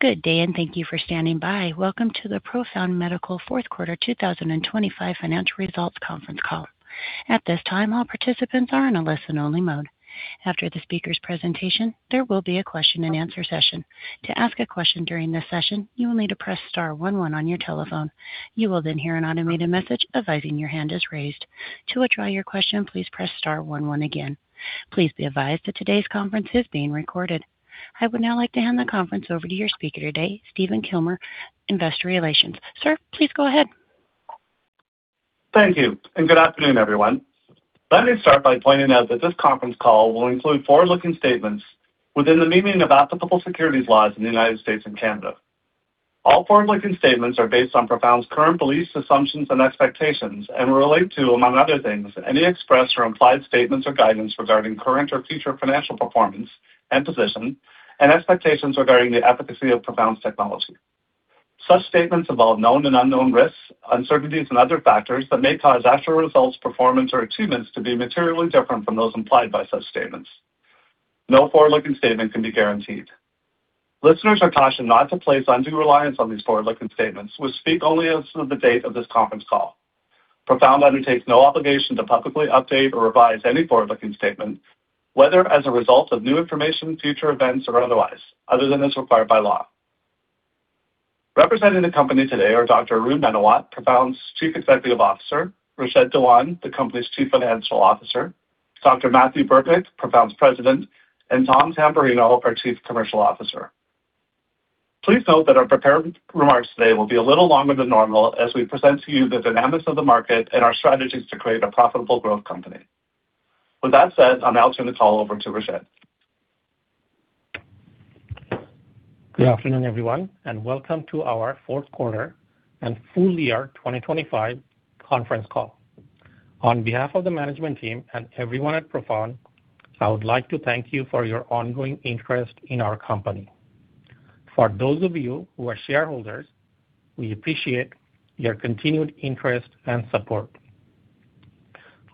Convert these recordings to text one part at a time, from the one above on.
Good day, and thank you for standing by. Welcome to the Profound Medical fourth quarter 2025 financial results conference call. At this time, all participants are in a listen-only mode. After the speaker's presentation, there will be a question-and-answer session. To ask a question during this session, you will need to press star one one on your telephone. You will then hear an automated message advising your hand is raised. To withdraw your question, please press star one one again. Please be advised that today's conference is being recorded. I would now like to hand the conference over to your speaker today, Stephen Kilmer, Investor Relations. Sir, please go ahead. Thank you and good afternoon, everyone. Let me start by pointing out that this conference call will include forward-looking statements within the meaning of applicable securities laws in the United States and Canada. All forward-looking statements are based on Profound's current beliefs, assumptions, and expectations and relate to, among other things, any expressed or implied statements or guidance regarding current or future financial performance and position and expectations regarding the efficacy of Profound's technology. Such statements involve known and unknown risks, uncertainties and other factors that may cause actual results, performance or achievements to be materially different from those implied by such statements. No forward-looking statement can be guaranteed. Listeners are cautioned not to place undue reliance on these forward-looking statements, which speak only as of the date of this conference call. Profound undertakes no obligation to publicly update or revise any forward-looking statement, whether as a result of new information, future events or otherwise, other than as required by law. Representing the company today are Dr. Arun Menawat, Profound's Chief Executive Officer, Rashed Dewan, the company's Chief Financial Officer, Dr. Mathieu Burtnyk, Profound's President, and Tom Tamburino, our Chief Commercial Officer. Please note that our prepared remarks today will be a little longer than normal as we present to you the dynamics of the market and our strategies to create a profitable growth company. With that said, I'll now turn the call over to Rashed. Good afternoon, everyone. Welcome to our fourth quarter and full year 2025 conference call. On behalf of the management team and everyone at Profound, I would like to thank you for your ongoing interest in our company. For those of you who are shareholders, we appreciate your continued interest and support.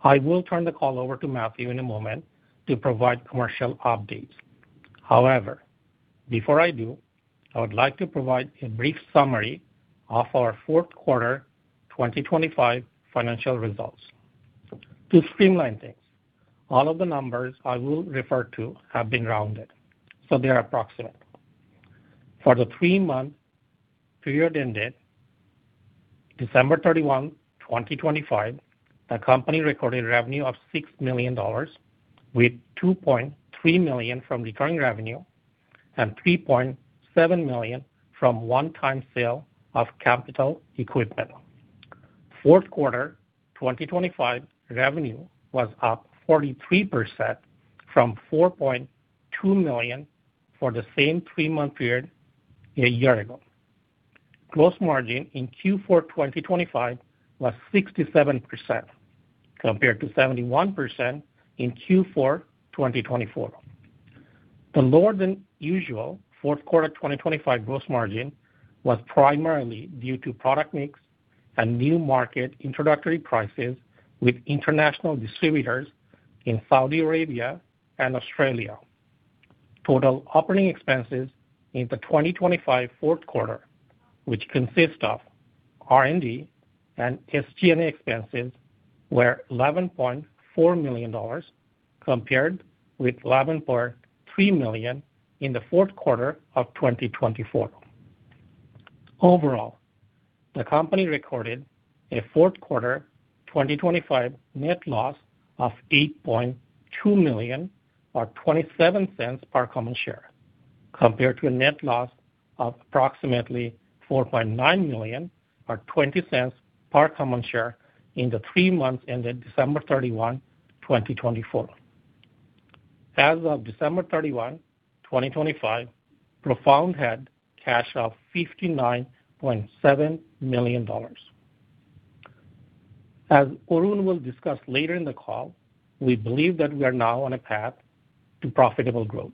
I will turn the call over to Mathieu in a moment to provide commercial updates. Before I do, I would like to provide a brief summary of our fourth quarter 2025 financial results. To streamline things, all of the numbers I will refer to have been rounded, so they are approximate. For the three-month period ended 31 December, 2025, the company recorded revenue of $6 million, with $2.3 million from recurring revenue and $3.7 million from one-time sale of capital equipment. Fourth quarter 2025 revenue was up 43% from 4.2 million for the same three-month period a year ago. Gross margin in Q4 2025 was 67% compared to 71% in Q4 2024. The lower than usual fourth quarter 2025 gross margin was primarily due to product mix and new market introductory prices with international distributors in Saudi Arabia and Australia. Total operating expenses in the 2025 fourth quarter, which consist of R&D and SG&A expenses, were 11.4 million dollars, compared with 11.3 million in the fourth quarter of 2024. Overall, the company recorded a fourth quarter 2025 net loss of 8.2 million or 0.27 per common share, compared to a net loss of approximately 4.9 million or 0.20 per common share in the three months ended 31 December, 2024. As of 31 December, 2025, Profound had cash of $59.7 million. As Arun will discuss later in the call, we believe that we are now on a path to profitable growth.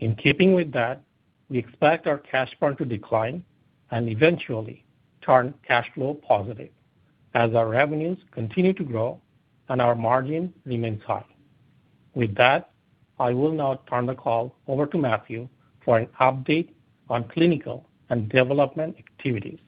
In keeping with that, we expect our cash burn to decline and eventually turn cash flow positive as our revenues continue to grow and our margin remains high. With that, I will now turn the call over to Mathieu for an update on clinical and development activities.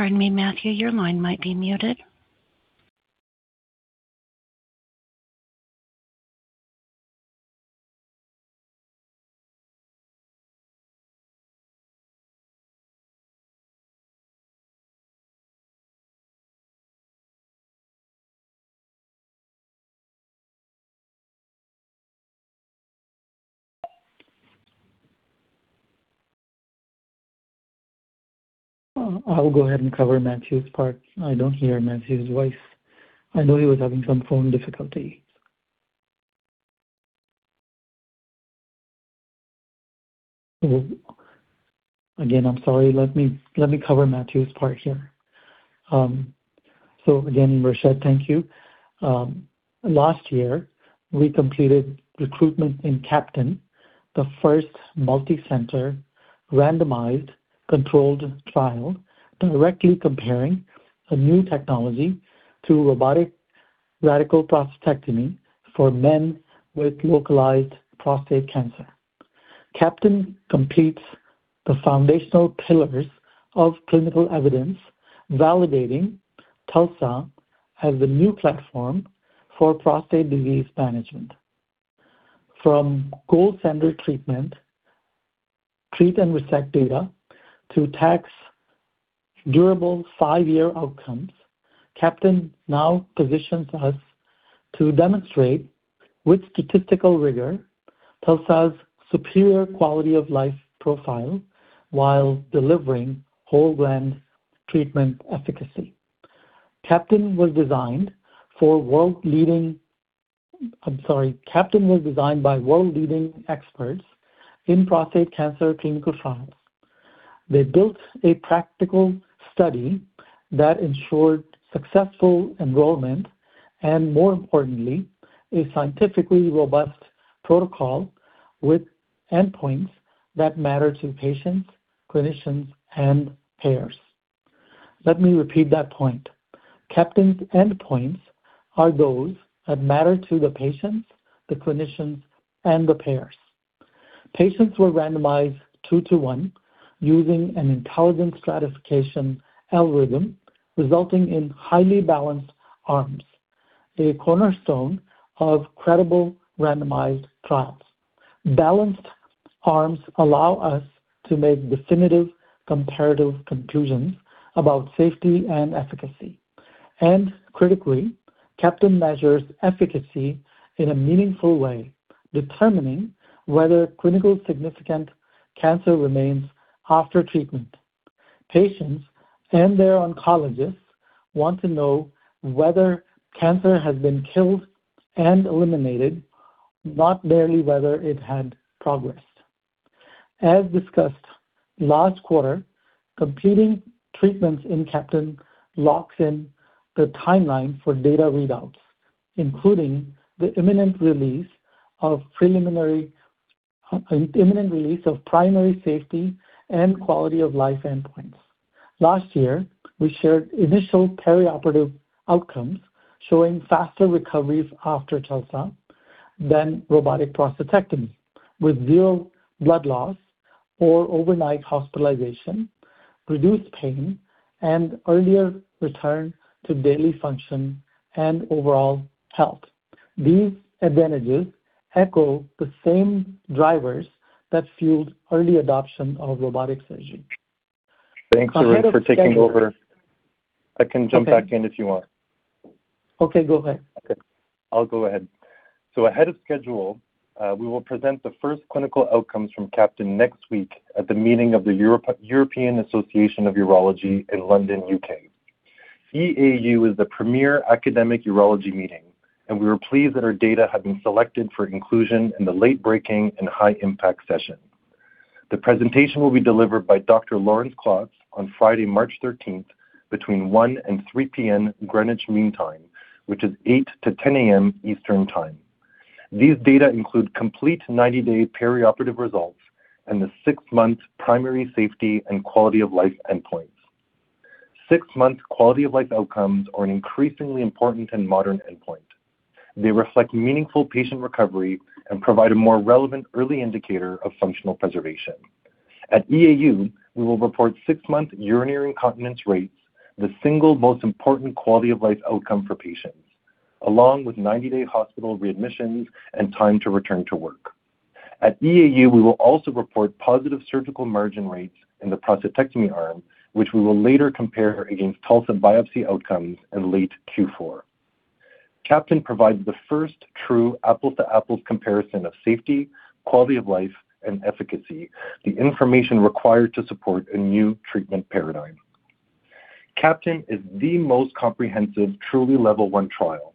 Pardon me, Mathieu, your line might be muted. I'll go ahead and cover Mathieu's part. I don't hear Mathieu's voice. I know he was having some phone difficulty. Again, I'm sorry. Let me cover Mathieu's part here. Again, Rashed, thank you. Last year, we completed recruitment in CAPTAIN, the first multicenter randomized controlled trial directly comparing a new technology to robotic radical prostatectomy for men with localized prostate cancer. CAPTAIN completes the foundational pillars of clinical evidence validating TULSA as the new platform for prostate disease management. From gold standard treatment, treat and resect data to tax durable five-year outcomes, CAPTAIN now positions us to demonstrate with statistical rigor TULSA's superior quality of life profile while delivering whole gland treatment efficacy. CAPTAIN was designed by world-leading experts in prostate cancer clinical trials. They built a practical study that ensured successful enrollment and, more importantly, a scientifically robust protocol with endpoints that matter to patients, clinicians, and payers. Let me repeat that point. CAPTAIN's endpoints are those that matter to the patients, the clinicians, and the payers. Patients were randomized two to one using an intelligent stratification algorithm, resulting in highly balanced arms, a cornerstone of credible randomized trials. Balanced arms allow us to make definitive comparative conclusions about safety and efficacy. Critically, CAPTAIN measures efficacy in a meaningful way, determining whether clinical significant cancer remains after treatment. Patients and their oncologists want to know whether cancer has been killed and eliminated, not merely whether it had progressed. As discussed last quarter, completing treatments in CAPTAIN locks in the timeline for data readouts, including the imminent release of primary safety and quality of life endpoints. Last year, we shared initial perioperative outcomes, showing faster recoveries after TULSA than robotic prostatectomy, with 0 blood loss or overnight hospitalization, reduced pain, and earlier return to daily function and overall health. These advantages echo the same drivers that fueled early adoption of robotic surgery. Thanks, Arun, for taking over. I can jump back in if you want. Okay, go ahead. Okay, I'll go ahead. Ahead of schedule, we will present the first clinical outcomes from CAPTAIN next week at the meeting of the European Association of Urology in London, U.K. EAU is the premier academic urology meeting, and we are pleased that our data have been selected for inclusion in the late breaking and high impact session. The presentation will be delivered by Dr. Laurence Klotz on Friday, 13 March, between 1:00PM and 3:00PM. Greenwich Mean Time, which is 8:00AM - 10:00AM Eastern Time, is an increasingly important and modern endpoint. They reflect meaningful patient recovery and provide a more relevant early indicator of functional preservation. At EAU, we will report six-month urinary incontinence rates, the single most important quality of life outcome for patients, along with 90-day hospital readmissions and time to return to work. At EAU, we will also report positive surgical margin rates in the prostatectomy arm, which we will later compare against TULSA biopsy outcomes in late Q4. CAPTAIN provides the first true apples to apples comparison of safety, quality of life, and efficacy, the information required to support a new treatment paradigm. CAPTAIN is the most comprehensive, truly level 1 trial.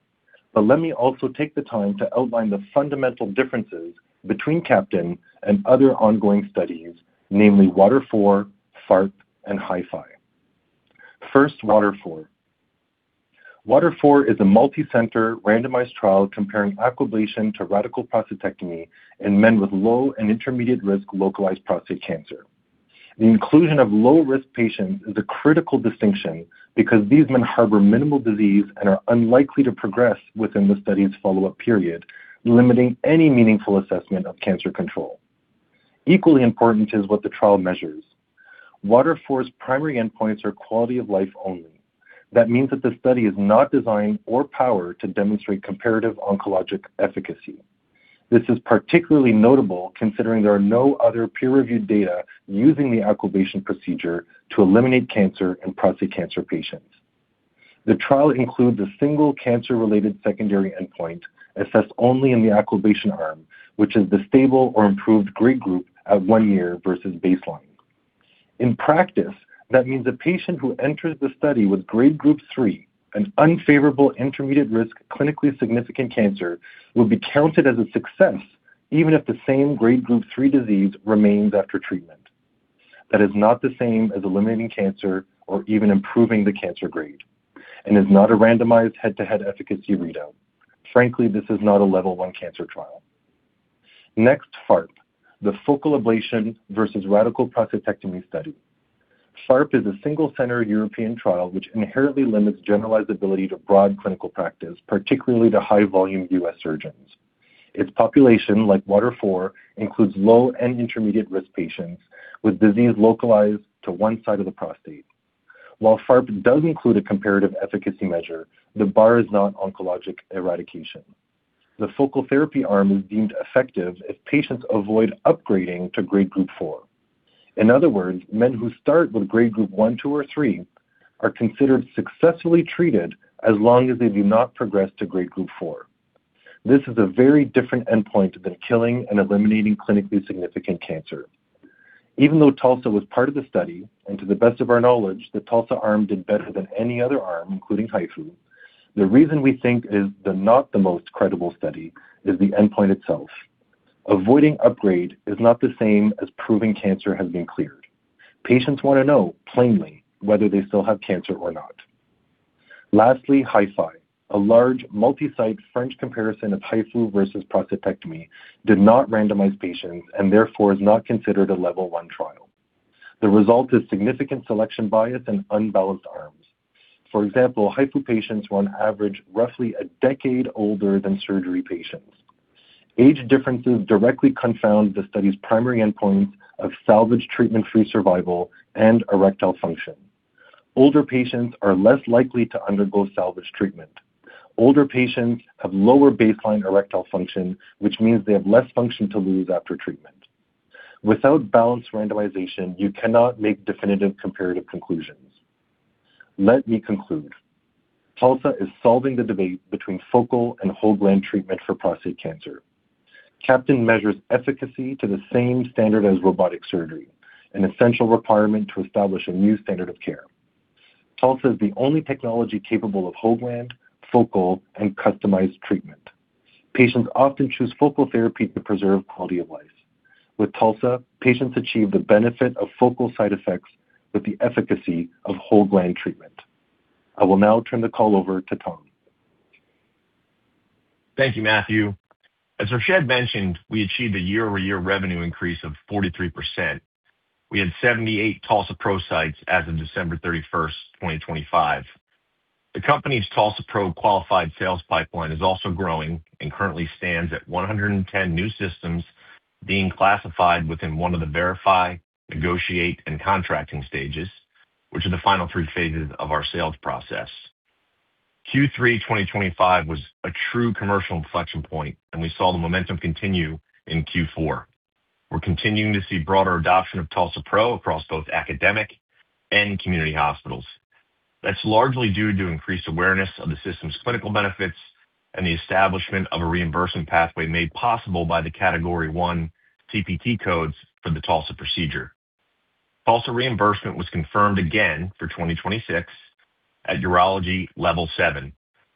Let me also take the time to outline the fundamental differences between CAPTAIN and other ongoing studies, namely WATER IV, FARP, and HIFI. First, WATER IV. WATER IV is a multicenter randomized trial comparing Aquablation to radical prostatectomy in men with low and intermediate risk localized prostate cancer. The inclusion of low-risk patients is a critical distinction because these men harbor minimal disease and are unlikely to progress within the study's follow-up period, limiting any meaningful assessment of cancer control. Equally important is what the trial measures. WATER IV's primary endpoints are quality of life only. That means that the study is not designed or powered to demonstrate comparative oncologic efficacy. This is particularly notable considering there are no other peer-reviewed data using the Aquablation procedure to eliminate cancer in prostate cancer patients. The trial includes a single cancer-related secondary endpoint assessed only in the Aquablation arm, which is the stable or improved grade group at one year versus baseline. In practice, that means a patient who enters the study with grade group three, an unfavorable intermediate risk, clinically significant cancer, will be counted as a success even if the same grade group three disease remains after treatment. That is not the same as eliminating cancer or even improving the cancer grade, and is not a randomized head-to-head efficacy readout. Frankly, this is not a level one cancer trial. Next, FARP, the Focal Ablation versus Radical Prostatectomy study. FARP is a single-center European trial which inherently limits generalizability to broad clinical practice, particularly to high-volume U.S. surgeons. Its population, like WATER IV, includes low and intermediate risk patients with disease localized to one side of the prostate. While FARP does include a comparative efficacy measure, the bar is not oncologic eradication. The focal therapy arm is deemed effective if patients avoid upgrading to grade group four. In other words, men who start with grade group one, two, or three are considered successfully treated as long as they do not progress to grade group four. This is a very different endpoint than killing and eliminating clinically significant cancer. Even though TULSA was part of the study and to the best of our knowledge, the TULSA arm did better than any other arm, including HIFU. The reason we think is the not the most credible study is the endpoint itself. Avoiding upgrade is not the same as proving cancer has been cleared. Patients want to know plainly whether they still have cancer or not. Lastly, HIFI, a large multi-site French comparison of HIFU versus prostatectomy, did not randomize patients and therefore is not considered a level one trial. The result is significant selection bias and unbalanced arms. For example, HIFU patients were on average roughly a decade older than surgery patients. Age differences directly confound the study's primary endpoints of salvage treatment-free survival and erectile function. Older patients are less likely to undergo salvage treatment. Older patients have lower baseline erectile function, which means they have less function to lose after treatment. Without balanced randomization, you cannot make definitive comparative conclusions. Let me conclude. TULSA is solving the debate between focal and whole-gland treatment for prostate cancer. CAPTAIN measures efficacy to the same standard as robotic surgery, an essential requirement to establish a new standard of care. TULSA is the only technology capable of whole-gland, focal, and customized treatment. Patients often choose focal therapy to preserve quality of life. With TULSA, patients achieve the benefit of focal side effects with the efficacy of whole-gland treatment. I will now turn the call over to Tom. Thank you, Mathieu. As Rashed mentioned, we achieved a year-over-year revenue increase of 43%. We had 78 TULSA-PRO sites as of 31 December, 2025. The company's TULSA-PRO qualified sales pipeline is also growing and currently stands at 110 new systems being classified within one of the verify, negotiate, and contracting stages, which are the final three phases of our sales process. Q3 2025 was a true commercial inflection point, and we saw the momentum continue in Q4. We're continuing to see broader adoption of TULSA-PRO across both academic and community hospitals. That's largely due to increased awareness of the system's clinical benefits and the establishment of a reimbursement pathway made possible by the category one CPT codes for the TULSA procedure. TULSA reimbursement was confirmed again for 2026 at Urology level seven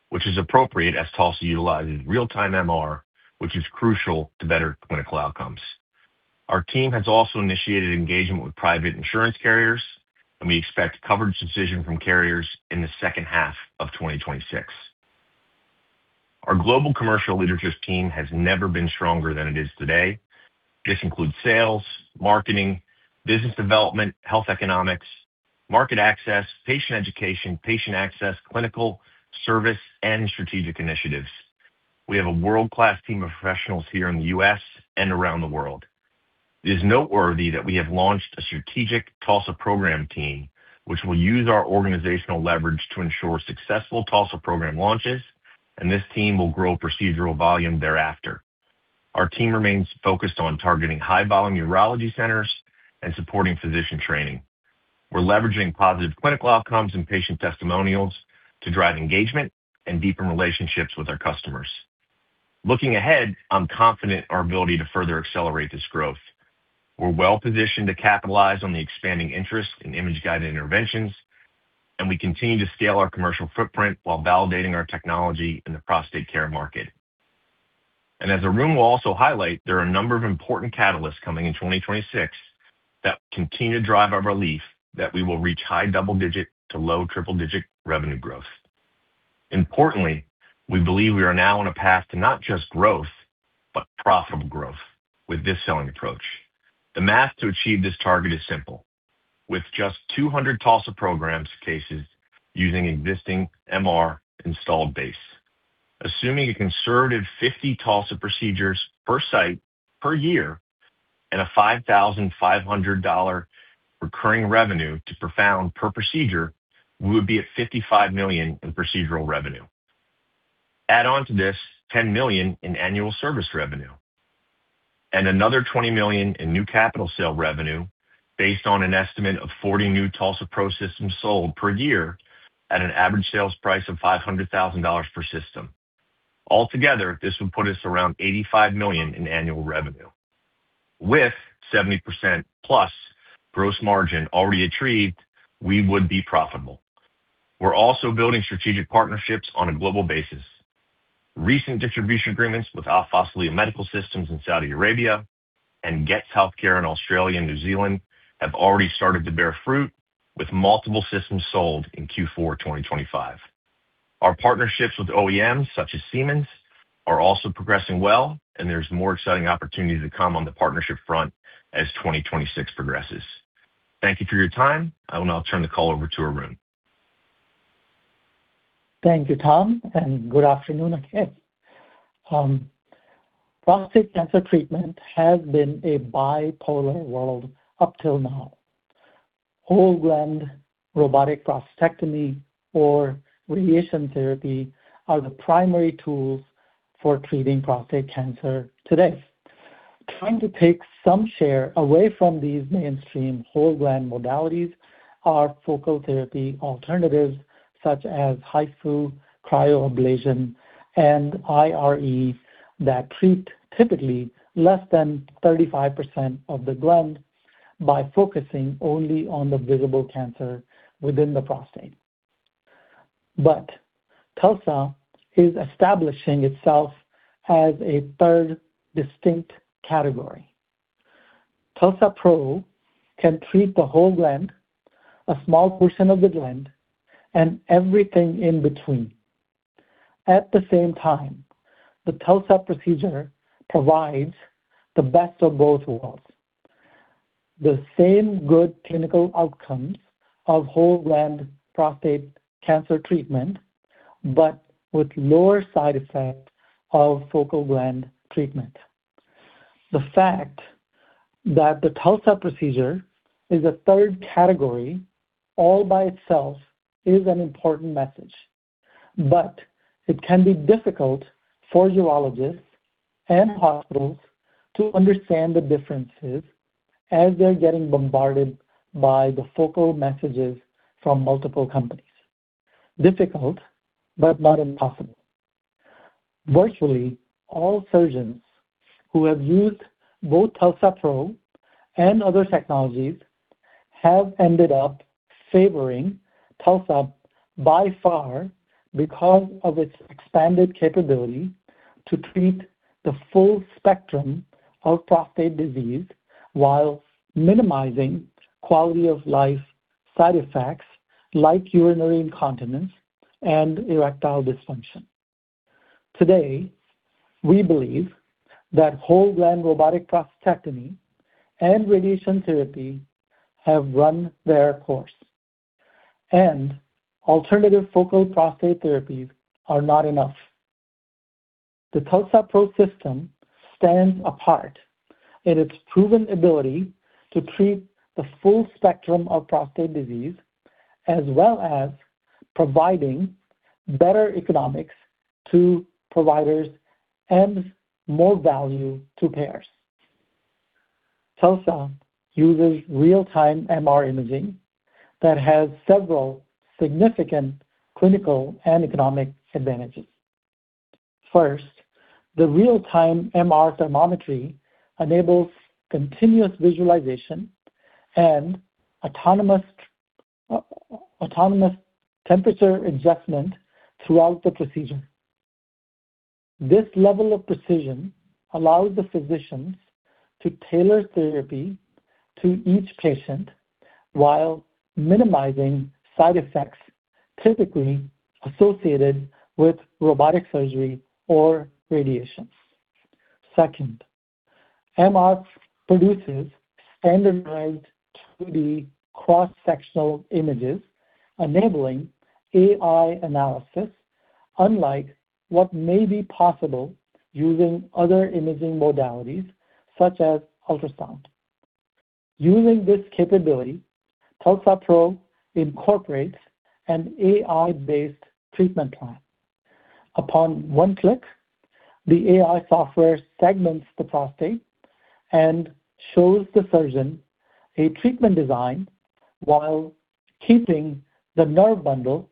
which is appropriate as TULSA utilizes real-time MR, which is crucial to better clinical outcomes. Our team has also initiated engagement with private insurance carriers. We expect coverage decision from carriers in the second half of 2026. Our global commercial leadership team has never been stronger than it is today. This includes sales, marketing, business development, health economics, market access, patient education, patient access, clinical, service, and strategic initiatives. We have a world-class team of professionals here in the U.S. and around the world. It is noteworthy that we have launched a strategic TULSA program team, which will use our organizational leverage to ensure successful TULSA program launches. This team will grow procedural volume thereafter. Our team remains focused on targeting high-volume urology centers and supporting physician training. We're leveraging positive clinical outcomes and patient testimonials to drive engagement and deepen relationships with our customers. Looking ahead, I'm confident in our ability to further accelerate this growth. We're well-positioned to capitalize on the expanding interest in image-guided interventions, and we continue to scale our commercial footprint while validating our technology in the prostate care market. As Arun will also highlight, there are a number of important catalysts coming in 2026 that will continue to drive our belief that we will reach high double-digit to low triple-digit revenue growth. Importantly, we believe we are now on a path to not just growth, but profitable growth with this selling approach. The math to achieve this target is simple. With just 200 TULSA programs cases using existing MR installed base, assuming a conservative 50 TULSA procedures per site per year, and a $5,500 recurring revenue to Profound per procedure, we would be at $55 million in procedural revenue. Add on to this $10 million in annual service revenue and another $20 million in new capital sale revenue based on an estimate of 40 new TULSA-PRO systems sold per year at an average sales price of $500,000 per system. Altogether, this would put us around $85 million in annual revenue. With 70%+ gross margin already retrieved, we would be profitable. We're also building strategic partnerships on a global basis. Recent distribution agreements with Al Faisaliah Medical Systems in Saudi Arabia and Getz Healthcare in Australia and New Zealand have already started to bear fruit with multiple systems sold in Q4 2025. Our partnerships with OEMs such as Siemens are also progressing well. There's more exciting opportunities to come on the partnership front as 2026 progresses. Thank you for your time. I will now turn the call over to Arun. Thank you, Tom. Good afternoon again. Prostate cancer treatment has been a bipolar world up till now. Whole gland robotic prostatectomy or radiation therapy are the primary tools for treating prostate cancer today. Trying to take some share away from these mainstream whole gland modalities are focal therapy alternatives such as HIFU, Cryoablation, and IRE that treat typically less than 35% of the gland by focusing only on the visible cancer within the prostate. TULSA is establishing itself as a third distinct category. TULSA-PRO can treat the whole gland, a small portion of the gland, and everything in between. At the same time, the TULSA procedure provides the best of both worlds. The same good clinical outcomes of whole gland prostate cancer treatment, but with lower side effects of focal gland treatment. The fact that the TULSA procedure is a third category all by itself is an important message. It can be difficult for urologists and hospitals to understand the differences as they're getting bombarded by the focal messages from multiple companies. Difficult, not impossible. Virtually all surgeons who have used both TULSA-PRO and other technologies have ended up favoring TULSA by far because of its expanded capability to treat the full spectrum of prostate disease while minimizing quality of life side effects like urinary incontinence and erectile dysfunction. Today, we believe that whole gland robotic prostatectomy and radiation therapy have run their course, alternative focal prostate therapies are not enough. The TULSA-PRO system stands apart in its proven ability to treat the full spectrum of prostate disease, as well as providing better economics to providers and more value to payers. TULSA uses real-time MR imaging that has several significant clinical and economic advantages. First, the real-time MR thermometry enables continuous visualization and autonomous temperature adjustment throughout the procedure. This level of precision allows the physicians to tailor therapy to each patient while minimizing side effects typically associated with robotic surgery or radiation. Second, MR produces standardized 2D cross-sectional images enabling AI analysis, unlike what may be possible using other imaging modalities such as ultrasound. Using this capability, TULSA-PRO incorporates an AI-based treatment plan. Upon one click, the AI software segments the prostate and shows the surgeon a treatment design while keeping the nerve bundle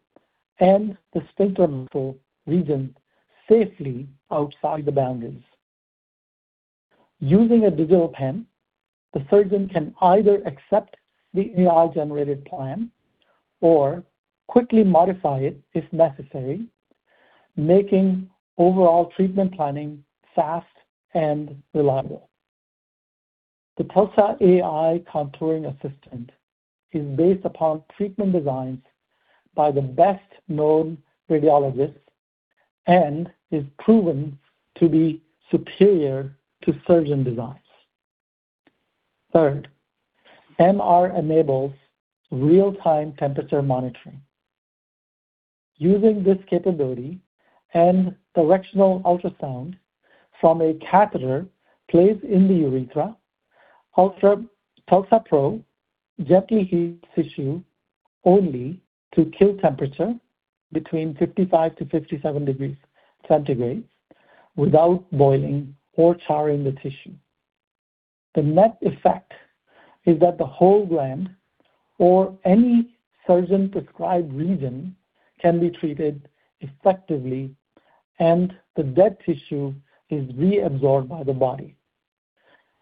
and the sphincter muscle region safely outside the boundaries. Using a digital pen, the surgeon can either accept the AI-generated plan or quickly modify it if necessary, making overall treatment planning fast and reliable. The TULSA-AI Contouring Assistant is based upon treatment designs by the best known radiologists and is proven to be superior to surgeon designs. Third, MR enables real-time temperature monitoring. Using this capability and directional ultrasound from a catheter placed in the urethra, TULSA-PRO gently heats tissue only to kill temperature between 55 to 57 degrees centigrade without boiling or charring the tissue. The net effect is that the whole gland or any surgeon prescribed region can be treated effectively and the dead tissue is reabsorbed by the body.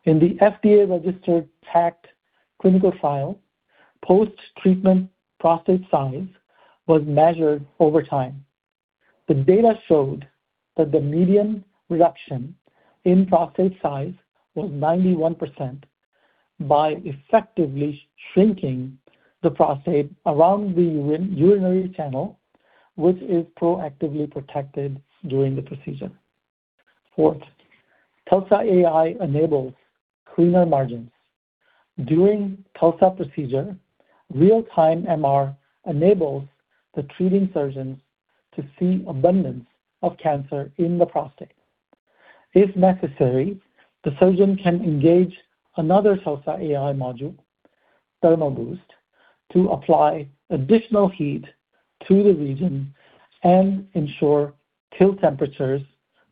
In the FDA-registered TACT clinical trial, post-treatment prostate size was measured over time. The data showed that the median reduction in prostate size was 91% by effectively shrinking the prostate around the urinary channel, which is proactively protected during the procedure. Fourth, TULSA-AI enables cleaner margins. During TULSA procedure, real-time MR enables the treating surgeons to see abundance of cancer in the prostate. If necessary, the surgeon can engage another TULSA-AI module, Thermal Boost, to apply additional heat to the region and ensure kill temperatures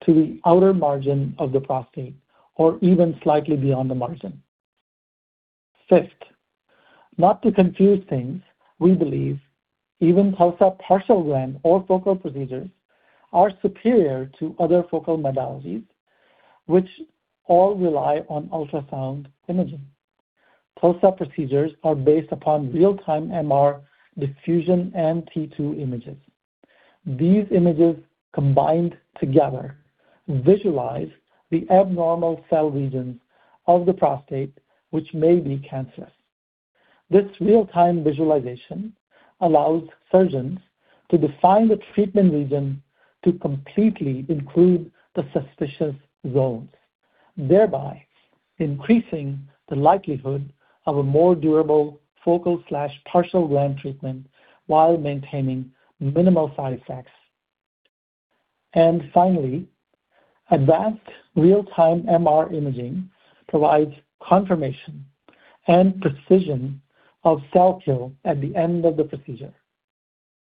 to the outer margin of the prostate or even slightly beyond the margin. Fifth, not to confuse things, we believe even TULSA partial gland or focal procedures are superior to other focal modalities, which all rely on ultrasound imaging. TULSA procedures are based upon real-time MR diffusion and T2 images. These images, combined together, visualize the abnormal cell regions of the prostate, which may be cancerous. This real-time visualization allows surgeons to define the treatment region to completely include the suspicious zones, thereby increasing the likelihood of a more durable focal/partial gland treatment while maintaining minimal side effects. Finally, advanced real-time MR imaging provides confirmation and precision of cell kill at the end of the procedure.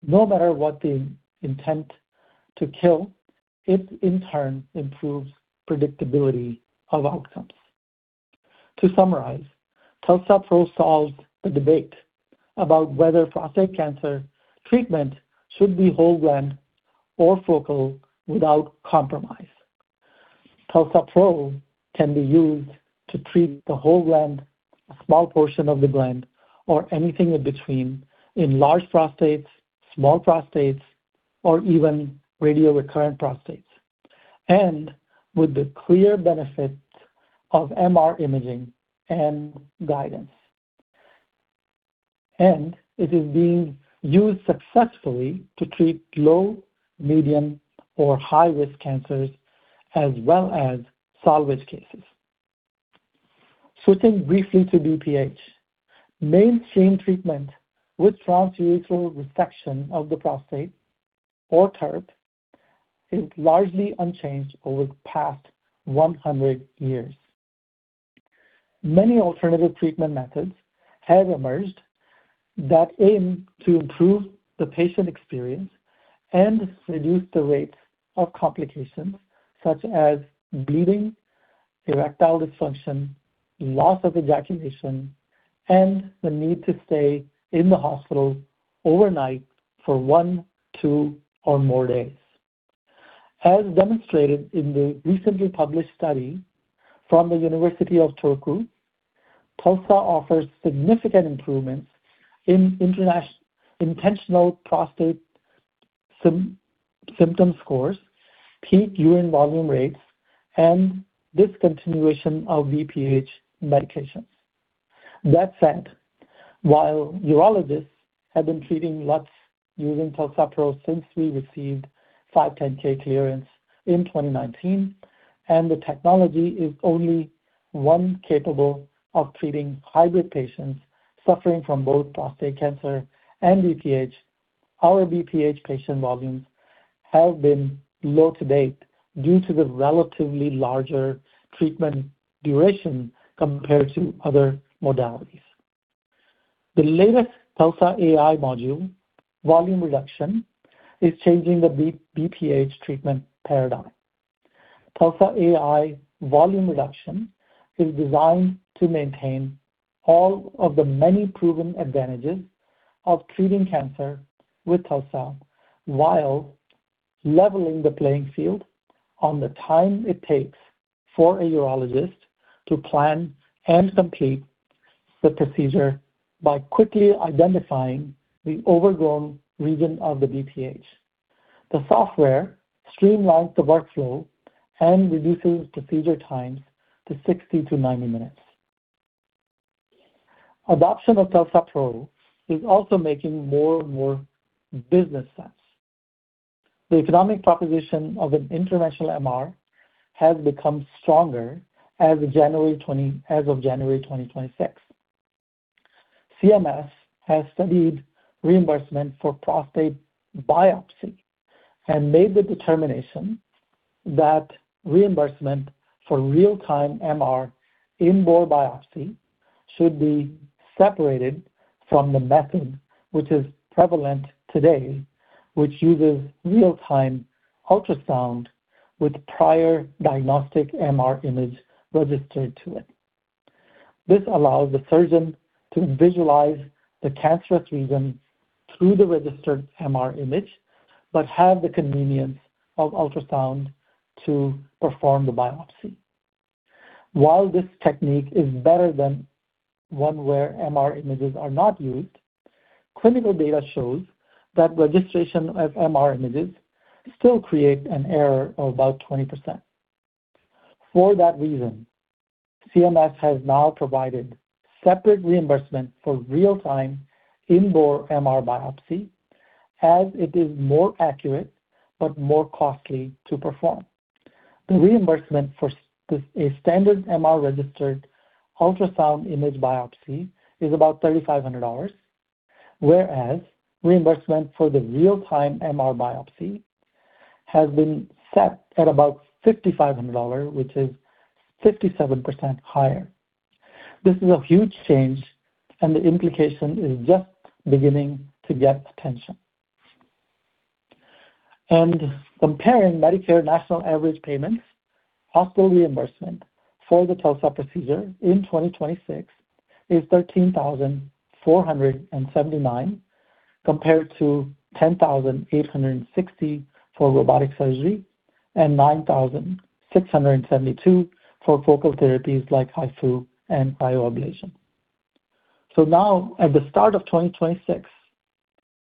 No matter what the intent to kill, it in turn improves predictability of outcomes. To summarize, TULSA-PRO solves the debate about whether prostate cancer treatment should be whole gland or focal without compromise. TULSA-PRO can be used to treat the whole gland, a small portion of the gland, or anything in between, in large prostates, small prostates, or even radio recurrent prostates. With the clear benefit of MR imaging and guidance. It is being used successfully to treat low, medium or high risk cancers as well as salvage cases. Switching briefly to BPH. Mainstream treatment with transurethral resection of the prostate or TURP is largely unchanged over the past 100 years. Many alternative treatment methods have emerged that aim to improve the patient experience and reduce the rates of complications such as bleeding, erectile dysfunction, loss of ejaculation, and the need to stay in the hospital overnight for one, two or more days. As demonstrated in the recently published study from the University of Turku, TULSA offers significant improvements in intentional prostate symptom scores, peak urine volume rates, and discontinuation of BPH medications. That said, while urologists have been treating LUTS using TULSA-PRO since we received 510(k) clearance in 2019, the technology is only one capable of treating hybrid patients suffering from both prostate cancer and BPH. Our BPH patient volumes have been low to date due to the relatively larger treatment duration compared to other modalities. The latest TULSA-AI module, Volume Reduction, is changing the BPH treatment paradigm. TULSA-AI Volume Reduction is designed to maintain all of the many proven advantages of treating cancer with TULSA while leveling the playing field on the time it takes for a urologist to plan and complete the procedure by quickly identifying the overgrown region of the BPH. The software streamlines the workflow and reduces procedure times to 60-90 minutes. Adoption of TULSA-PRO is also making more and more business sense. The economic proposition of an interventional MR has become stronger as of January 2026. CMS has studied reimbursement for prostate biopsy and made the determination that reimbursement for real-time MR in-bore biopsy should be separated from the method which is prevalent today, which uses real-time ultrasound with prior diagnostic MR image registered to it. This allows the surgeon to visualize the cancerous region through the registered MR image, but have the convenience of ultrasound to perform the biopsy. While this technique is better than one where MR images are not used, clinical data shows that registration of MR images still create an error of about 20%. For that reason, CMS has now provided separate reimbursement for real-time in-bore MR biopsy as it is more accurate but more costly to perform. The reimbursement for a standard MR registered ultrasound image biopsy is about $3,500, whereas reimbursement for the real-time MR biopsy has been set at about $5,500, which is 57% higher. This is a huge change and the implication is just beginning to get attention. Comparing Medicare national average payments, hospital reimbursement for the TULSA procedure in 2026 is $13,479, compared to $10,860 for robotic surgery and $9,672 for focal therapies like HIFU and Cryoablation. Now at the start of 2026,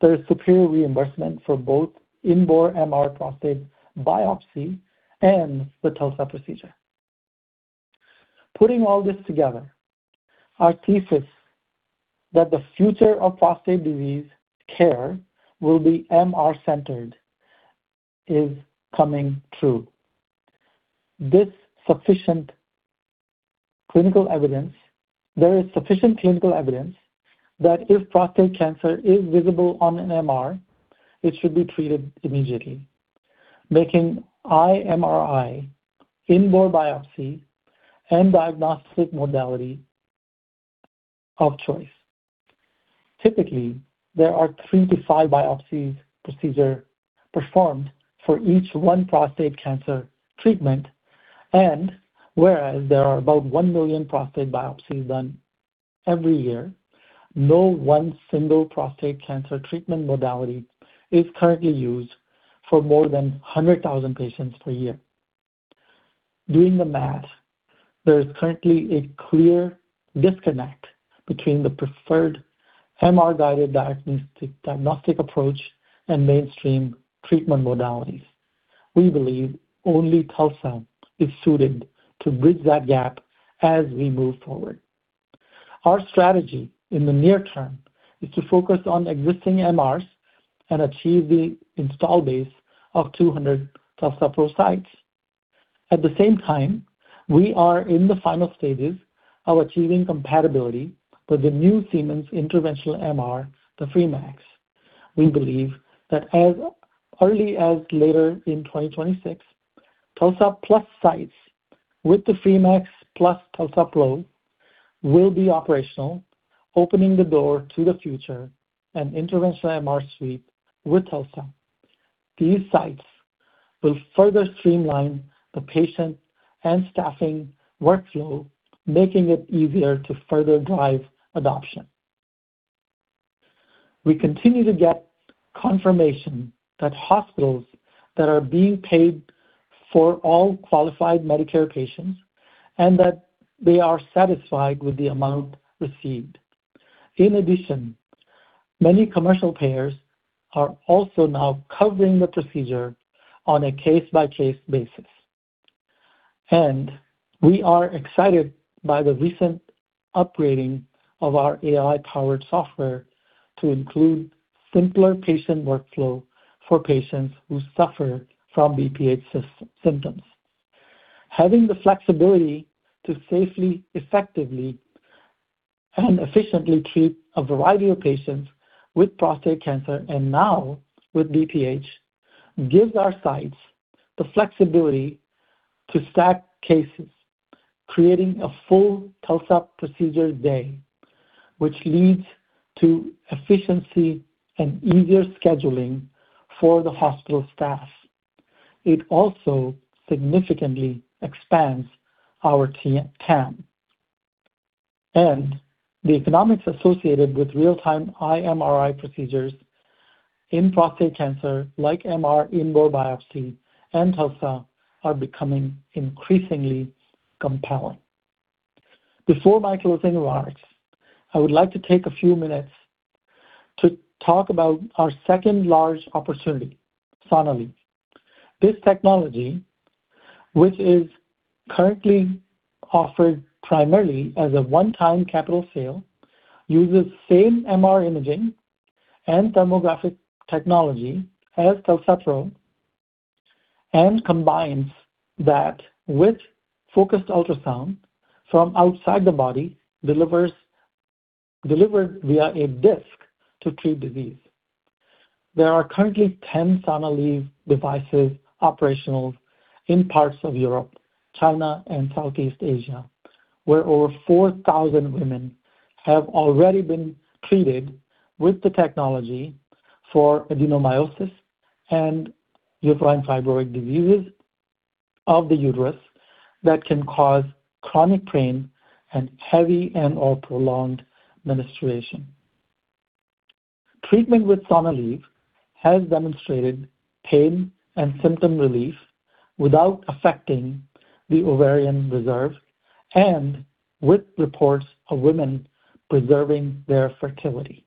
there is superior reimbursement for both in-bore MR prostate biopsy and the TULSA procedure. Putting all this together, our thesis that the future of prostate disease care will be MR-centered is coming true. There is sufficient clinical evidence that if prostate cancer is visible on an MR, it should be treated immediately, making iMRI in-bore biopsy and diagnostic modality of choice. Typically, there are three-five biopsy procedure performed for each one prostate cancer treatment and whereas there are about one million prostate biopsies done every year, no one single prostate cancer treatment modality is currently used for more than 100,000 patients per year. Doing the math, there is currently a clear disconnect between the preferred MR-guided diagnostic approach and mainstream treatment modalities. We believe only TULSA is suited to bridge that gap as we move forward. Our strategy in the near term is to focus on existing MRs and achieve the install base of 200 TULSA-PRO sites. At the same time, we are in the final stages of achieving compatibility with the new Siemens interventional MR, the Free.Max. We believe that as early as later in 2026, TULSA plus sites with the Free.Max plus TULSA-PRO will be operational, opening the door to the future, an interventional MR suite with TULSA. These sites will further streamline the patient and staffing workflow, making it easier to further drive adoption. We continue to get confirmation that hospitals that are being paid for all qualified Medicare patients and that they are satisfied with the amount received. Many commercial payers are also now covering the procedure on a case-by-case basis. We are excited by the recent upgrading of our AI-powered software to include simpler patient workflow for patients who suffer from BPH symptoms. Having the flexibility to safely, effectively, and efficiently treat a variety of patients with prostate cancer, and now with BPH, gives our sites the flexibility to stack cases, creating a full TULSA procedure day, which leads to efficiency and easier scheduling for the hospital staff. It also significantly expands our TAM. The economics associated with real-time iMRI procedures in prostate cancer, like MR in-bore biopsy and TULSA, are becoming increasingly compelling. Before my closing remarks, I would like to take a few minutes to talk about our second large opportunity, Sonalleve. This technology, which is currently offered primarily as a one-time capital sale, uses same MR imaging and thermographic technology as TULSA-PRO and combines that with focused ultrasound from outside the body, delivered via a disc to treat disease. There are currently 10 Sonalleve devices operational in parts of Europe, China, and Southeast Asia, where over 4,000 women have already been treated with the technology for adenomyosis and uterine fibroid diseases of the uterus that can cause chronic pain and heavy and/or prolonged menstruation. Treatment with Sonalleve has demonstrated pain and symptom relief without affecting the ovarian reserve and with reports of women preserving their fertility.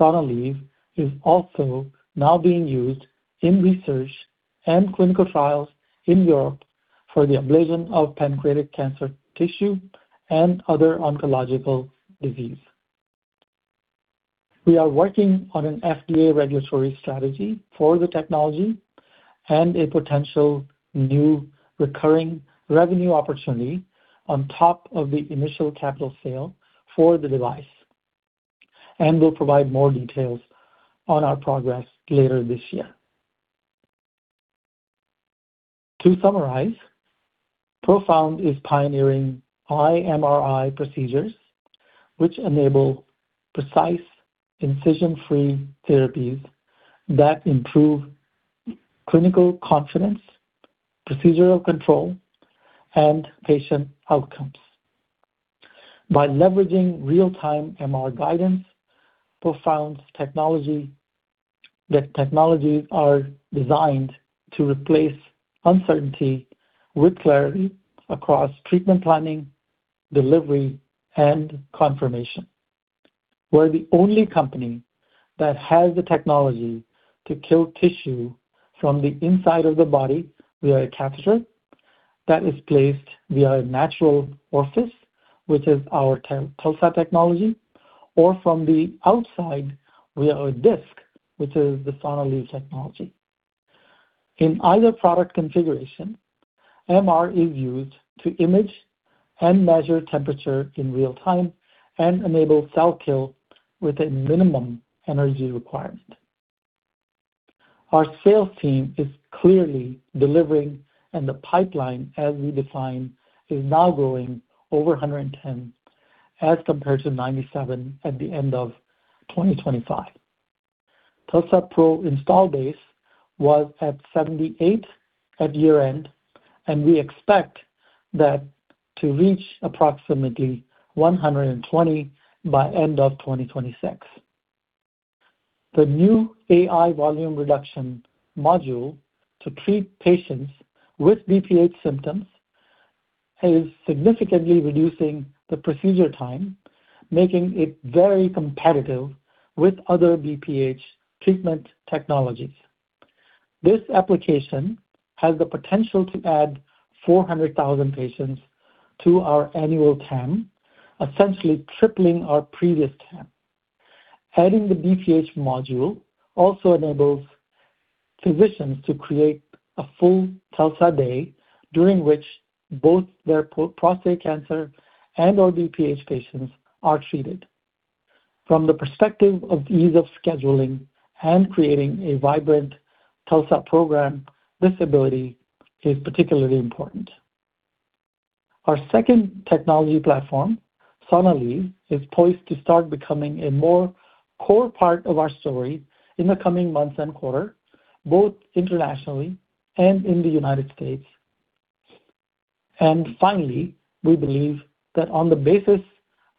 Sonalleve is also now being used in research and clinical trials in Europe for the ablation of pancreatic cancer tissue and other oncological disease. We are working on an FDA regulatory strategy for the technology and a potential new recurring revenue opportunity on top of the initial capital sale for the device. We'll provide more details on our progress later this year. To summarize, Profound is pioneering iMRI procedures, which enable precise incision-free therapies that improve clinical confidence, procedural control, and patient outcomes. By leveraging real-time MR guidance, Profound's technologies are designed to replace uncertainty with clarity across treatment planning, delivery, and confirmation. We're the only company that has the technology to kill tissue from the inside of the body via a catheter that is placed via a natural orifice, which is our TULSA technology, or from the outside via a disc, which is the Sonalleve technology. In either product configuration, MR is used to image and measure temperature in real time and enable cell kill with a minimum energy requirement. Our sales team is clearly delivering, the pipeline, as we define, is now growing over 110 as compared to 97 at the end of 2025. TULSA-PRO install base was at 78 at year-end, we expect that to reach approximately 120 by end of 2026. The new AI Volume Reduction module to treat patients with BPH symptoms is significantly reducing the procedure time, making it very competitive with other BPH treatment technologies. This application has the potential to add 400,000 patients to our annual TAM, essentially tripling our previous TAM. Adding the BPH module also enables physicians to create a full TULSA day during which both their prostate cancer and our BPH patients are treated. From the perspective of ease of scheduling and creating a vibrant TULSA program, this ability is particularly important. Our second technology platform, Sonalleve, is poised to start becoming a more core part of our story in the coming months and quarter, both internationally and in the United States. Finally, we believe that on the basis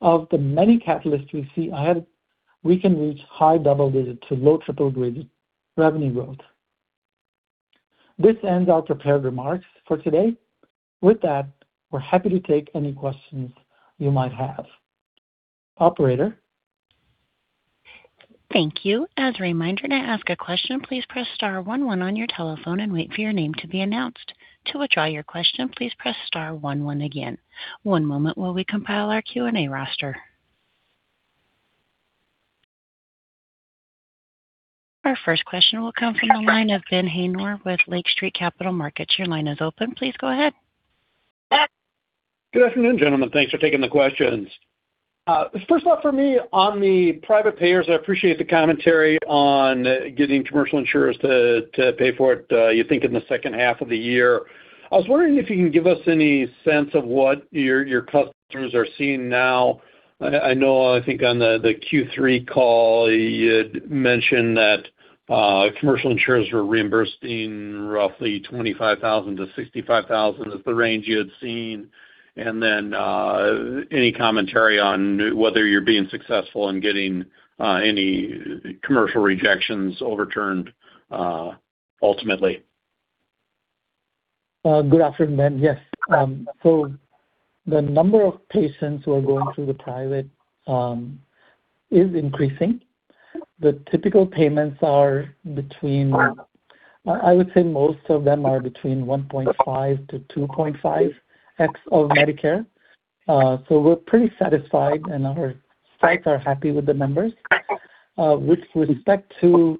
of the many catalysts we see ahead, we can reach high double digits to low triple digit revenue growth. This ends our prepared remarks for today. With that, we're happy to take any questions you might have. Operator? Thank you. As a reminder, to ask a question, please press star one one on your telephone and wait for your name to be announced. To withdraw your question, please press star one one again. One moment while we compile our Q&A roster. Our first question will come from the line of Ben Haynor with Lake Street Capital Markets. Your line is open. Please go ahead. Good afternoon, gentlemen. Thanks for taking the questions. First off for me on the private payers, I appreciate the commentary on getting commercial insurers to pay for it, you think in the second half of the year. I was wondering if you can give us any sense of what your customers are seeing now. I know I think on the Q3 call you had mentioned that commercial insurers were reimbursing roughly $25,000-$65,000 is the range you had seen. Any commentary on whether you're being successful in getting any commercial rejections overturned, ultimately? Good afternoon, Ben. Yes. The number of patients who are going through the private is increasing. The typical payments are between I would say most of them are between 1.5 to 2.5x of Medicare. We're pretty satisfied, and our sites are happy with the numbers. With respect to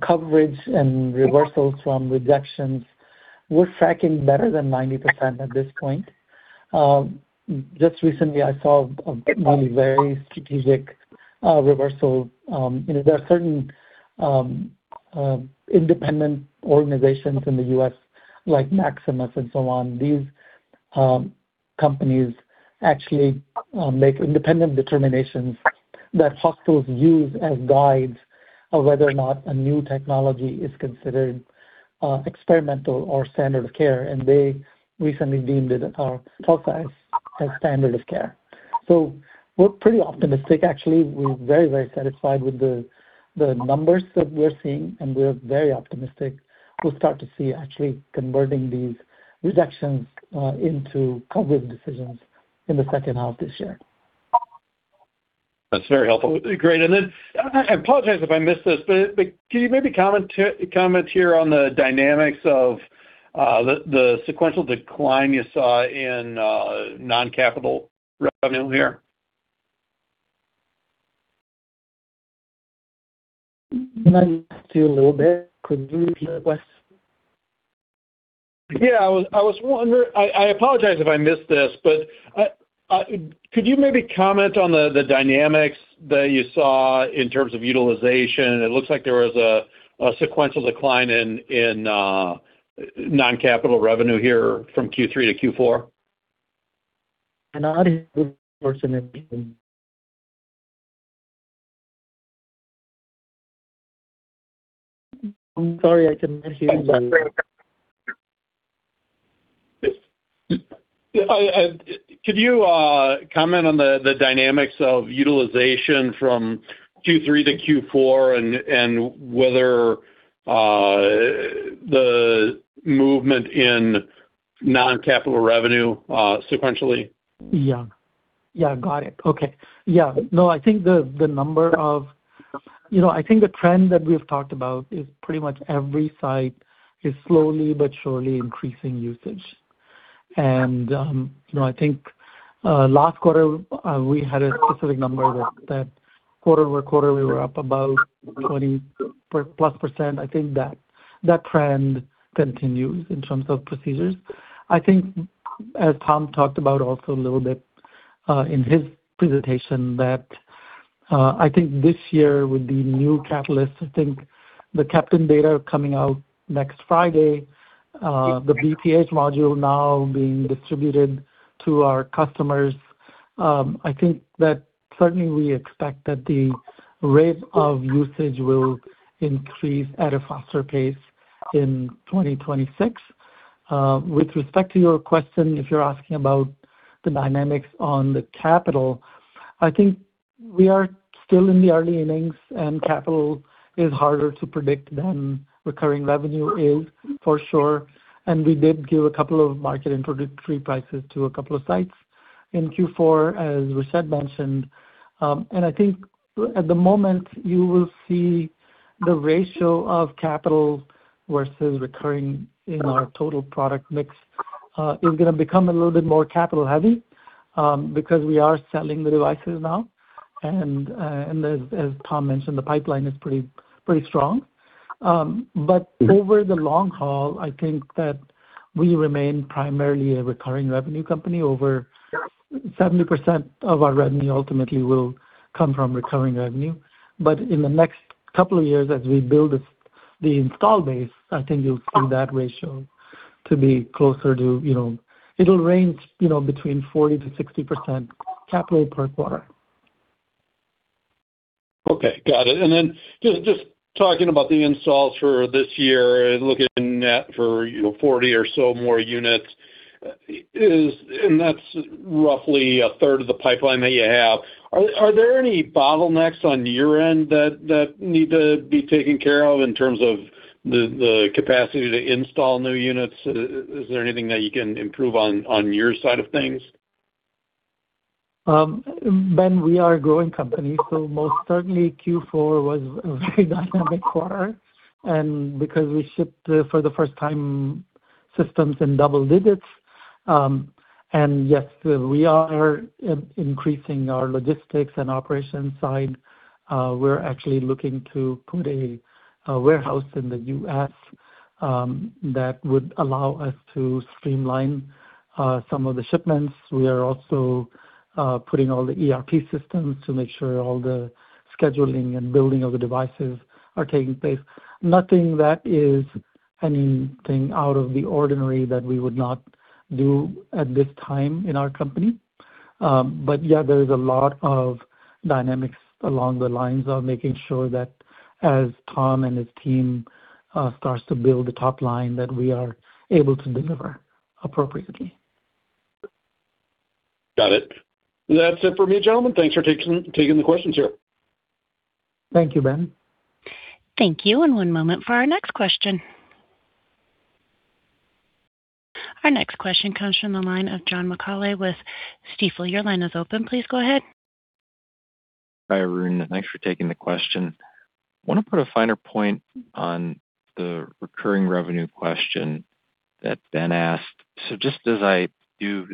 coverage and reversals from rejections, we're tracking better than 90% at this point. Just recently I saw a very strategic reversal. You know, there are certain independent organizations in the US, like Maximus and so on. These companies actually make independent determinations that hospitals use as guides of whether or not a new technology is considered experimental or standard of care. They recently deemed it, our pulse as standard of care. We're pretty optimistic actually. We're very satisfied with the numbers that we're seeing, and we're very optimistic we'll start to see actually converting these rejections into coverage decisions in the second half this year. That's very helpful. Great. I apologize if I missed this, but could you maybe comment here on the dynamics of the sequential decline you saw in non-capital revenue here? Can I just do a little bit? Could you repeat the question? Yeah. I apologize if I missed this. Could you maybe comment on the dynamics that you saw in terms of utilization? It looks like there was a sequential decline in non-capital revenue here from Q3 to Q4. I'm sorry, I can hear you. Could you comment on the dynamics of utilization from Q3 to Q4 and whether the movement in non-capital revenue sequentially? Yeah. Got it. Okay. Yeah. No, I think the number of... You know, I think the trend that we've talked about is pretty much every site is slowly but surely increasing usage. You know, I think, last quarter, we had a specific number that quarter over quarter, we were up about +20%. I think that trend continues in terms of procedures. I think as Tom talked about also a little bit in his presentation, that I think this year with the new catalysts, I think the CAPTAIN data coming out next Friday, the BPH module now being distributed to our customers, I think that certainly we expect that the rate of usage will increase at a faster pace in 2026. With respect to your question, if you're asking about the dynamics on the capital, I think we are still in the early innings, and capital is harder to predict than recurring revenue is for sure. We did give a couple of market introductory prices to a couple of sites in Q4, as Rashed mentioned. I think at the moment, you will see the ratio of capital versus recurring in our total product mix, is gonna become a little bit more capital heavy, because we are selling the devices now. As Tom mentioned, the pipeline is pretty strong. But over the long haul, I think that we remain primarily a recurring revenue company. Over 70% of our revenue ultimately will come from recurring revenue. In the next couple of years, as we build this, the install base, I think you'll see that ratio to be closer to, you know. It'll range, you know, between 40%-60% capital per quarter. Okay, got it. Then just talking about the installs for this year, looking net for, you know, 40 or so more units. That's roughly a third of the pipeline that you have. Are there any bottlenecks on your end that need to be taken care of in terms of the capacity to install new units? Is there anything that you can improve on your side of things? Ben, we are a growing company, so most certainly Q4 was a very dynamic quarter, and because we shipped for the first time systems in double digits. Yes, we are increasing our logistics and operations side. We're actually looking to put a warehouse in the U.S. that would allow us to streamline some of the shipments. We are also putting all the ERP systems to make sure all the scheduling and building of the devices are taking place. Nothing that is anything out of the ordinary that we would not do at this time in our company. Yeah, there is a lot of dynamics along the lines of making sure that as Tom and his team starts to build the top line, that we are able to deliver appropriately. Got it. That's it for me, gentlemen. Thanks for taking the questions here. Thank you, Ben. Thank you. One moment for our next question. Our next question comes from the line of John McCauley with Stifel. Your line is open. Please go ahead. Hi, Arun. Thanks for taking the question. Wanna put a finer point on the recurring revenue question that's been asked. Just as I do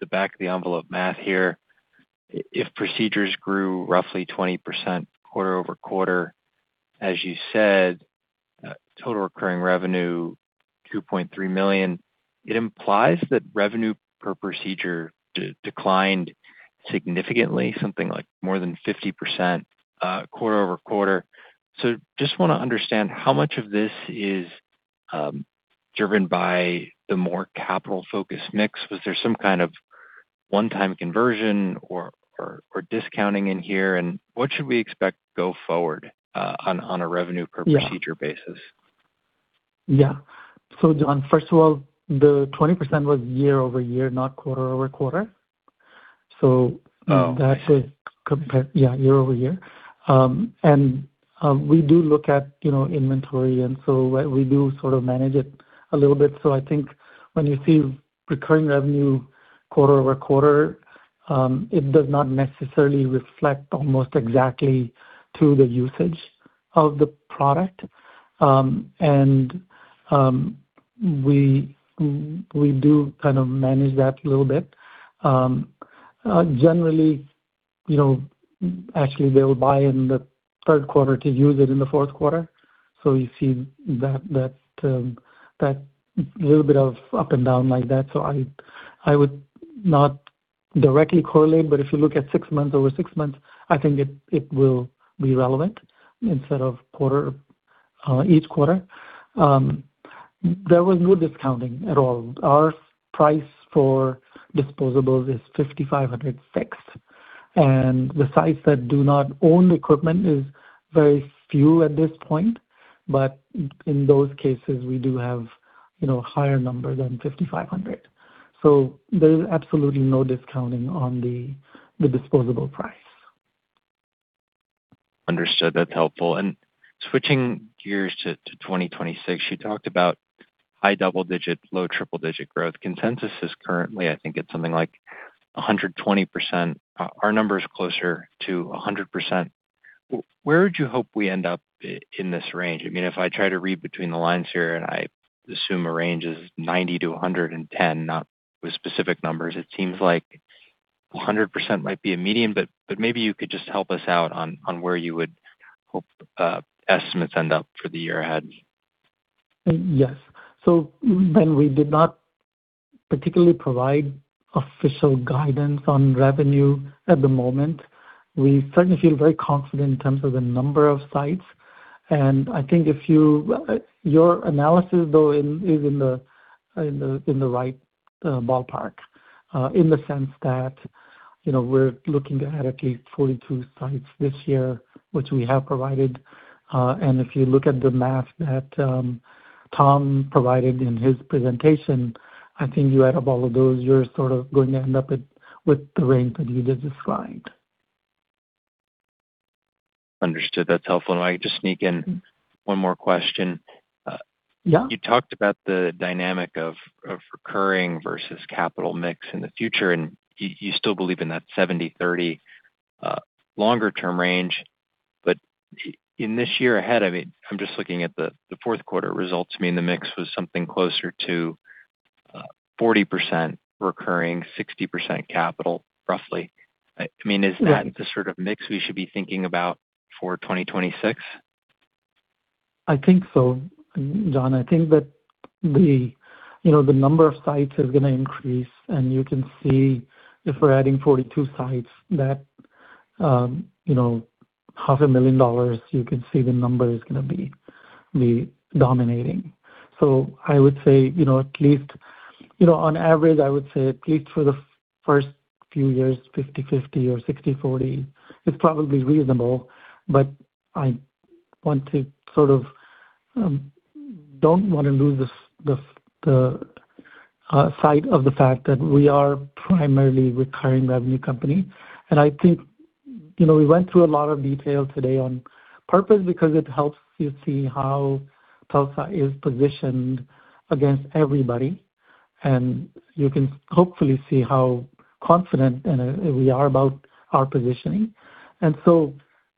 the back of the envelope math here, if procedures grew roughly 20% quarter-over-quarter, as you said, total recurring revenue 2.3 million, it implies that revenue per procedure declined significantly, something like more than 50% quarter-over-quarter. Just wanna understand, how much of this is driven by the more capital-focused mix? Was there some kind of one-time conversion or discounting in here? What should we expect go forward on a revenue per procedure basis? Yeah. John, first of all, the 20% was year-over-year, not quarter-over-quarter. Oh. Yeah, year-over-year. We do look at, you know, inventory and so we do sort of manage it a little bit. I think when you see recurring revenue quarter-over-quarter, it does not necessarily reflect almost exactly to the usage of the product. We, we do kind of manage that a little bit. Generally, you know, actually they'll buy in the third quarter to use it in the fourth quarter. You see that little bit of up and down like that. I'd, I would not directly correlate, but if you look at six months over six months, I think it will be relevant instead of quarter, each quarter. There was no discounting at all. Our price for disposables is $5,500 fixed. The sites that do not own equipment is very few at this point, but in those cases, we do have, you know, higher number than $5,500. There's absolutely no discounting on the disposable price. Understood. That's helpful. Switching gears to 2026, you talked about high double digit, low triple digit growth. Consensus is currently, I think it's something like 120%. Our number is closer to 100%. Where would you hope we end up in this range? I mean, if I try to read between the lines here, and I assume a range is 90%-110%, not the specific numbers, it seems like 100% might be a medium, but maybe you could just help us out on where you would hope estimates end up for the year ahead. We did not particularly provide official guidance on revenue at the moment. We certainly feel very confident in terms of the number of sites. I think if you, your analysis though, is in the right ballpark, in the sense that, you know, we're looking to add at least 42 sites this year, which we have provided. If you look at the math that Tom provided in his presentation, I think you add up all of those, you're sort of going to end up with the range that you just described. Understood. That's helpful. If I could just sneak in one more question. Yeah. You talked about the dynamic of recurring versus capital mix in the future, and you still believe in that 70/30 longer term range. In this year ahead, I mean, I'm just looking at the fourth quarter results, I mean, the mix was something closer to 40% recurring, 60% capital, roughly. I mean, is that the sort of mix we should be thinking about for 2026? I think so, John. I think that the, you know, the number of sites is gonna increase, and you can see if we're adding 42 sites that, you know, half a million dollars, you can see the number is gonna be dominating. I would say, you know, at least, you know, on average, I would say at least for the first few years, 50/50 or 60/40 is probably reasonable. I want to sort of, don't wanna lose the sight of the fact that we are primarily recurring revenue company. I think, you know, we went through a lot of detail today on purpose because it helps you see how TULSA is positioned against everybody, and you can hopefully see how confident we are about our positioning.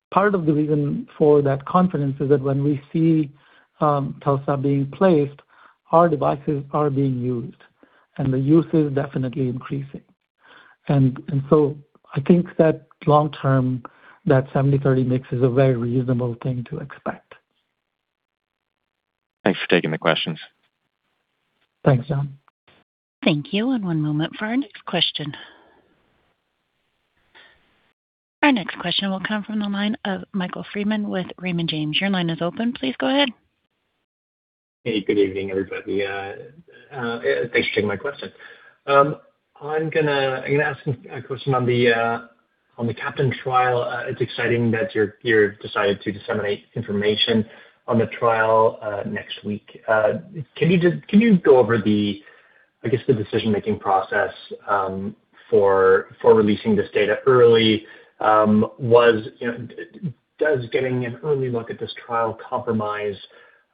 Part of the reason for that confidence is that when we see TULSA being placed, our devices are being used, and the use is definitely increasing. I think that long term, that 70/30 mix is a very reasonable thing to expect. Thanks for taking the questions. Thanks, John. Thank you. One moment for our next question. Our next question will come from the line of Michael Freeman with Raymond James. Your line is open. Please go ahead. Hey, good evening, everybody. Thanks for taking my question. I'm gonna ask a question on the CAPTAIN trial. It's exciting that you're decided to disseminate information on the trial next week. Can you go over the, I guess, the decision-making process for releasing this data early? Was, you know, does getting an early look at this trial compromise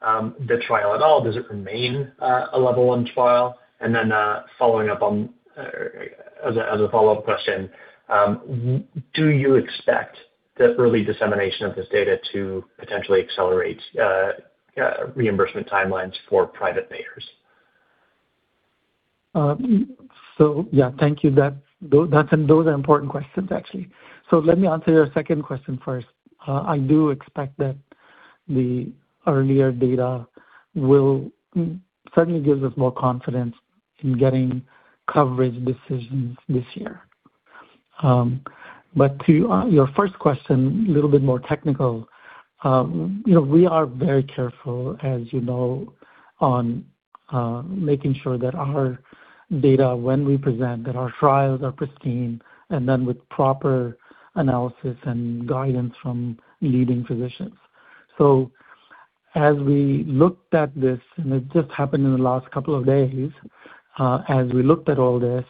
the trial at all? Does it remain a level one trial? Following up on, as a follow-up question, do you expect the early dissemination of this data to potentially accelerate reimbursement timelines for private payers? Yeah, thank you. Those, those are important questions actually. Let me answer your second question first. I do expect that the earlier data will certainly gives us more confidence in getting coverage decisions this year. To your first question, a little bit more technical. You know, we are very careful, as you know, on making sure that our data when we present, that our trials are pristine and then with proper analysis and guidance from leading physicians. As we looked at this, and it just happened in the last couple of days, as we looked at all this,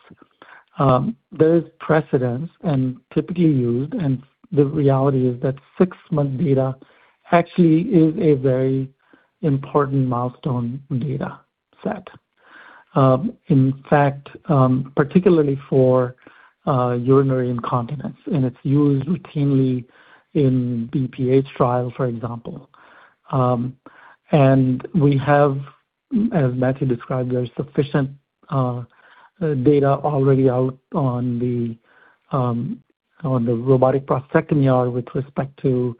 there is precedence and typically used, and the reality is that 6-month data actually is a very important milestone data set. In fact, particularly for urinary incontinence, and it's used routinely in BPH trial, for example. We have, as Mathieu described, there are sufficient data already out on the robotic prostatectomy with respect to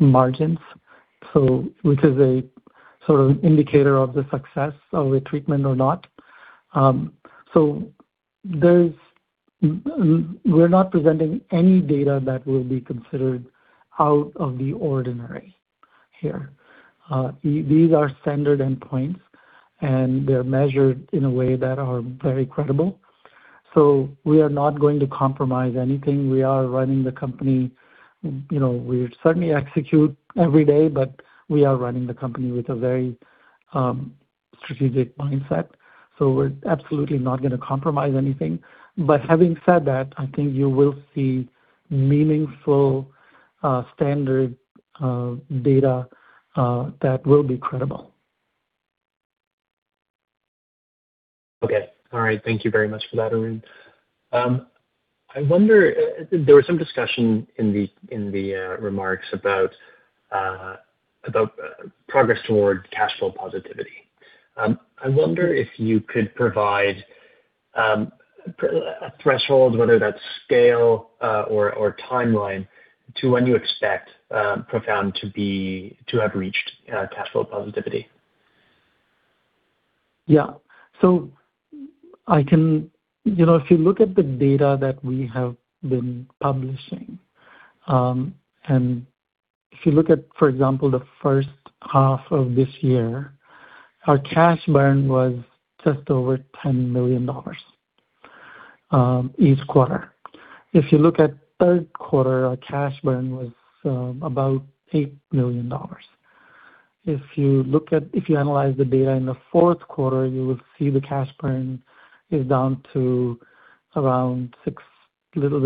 margins. Which is a sort of indicator of the success of a treatment or not. We're not presenting any data that will be considered out of the ordinary here. These are standard endpoints, and they're measured in a way that are very credible. We are not going to compromise anything. We are running the company. You know, we certainly execute every day, but we are running the company with a very strategic mindset. We're absolutely not gonna compromise anything. Having said that, I think you will see meaningful, standard data that will be credible. Okay. All right. Thank you very much for that, Arun. I wonder, there was some discussion in the remarks about about progress toward cash flow positivity. I wonder if you could provide a threshold, whether that's scale or timeline to when you expect Profound to have reached cash flow positivity. Yeah. I can... You know, if you look at the data that we have been publishing, and if you look at, for example, the first half of this year, our cash burn was just over $10 million each quarter. If you look at third quarter, our cash burn was about $8 million. If you analyze the data in the fourth quarter, you will see the cash burn is down to a little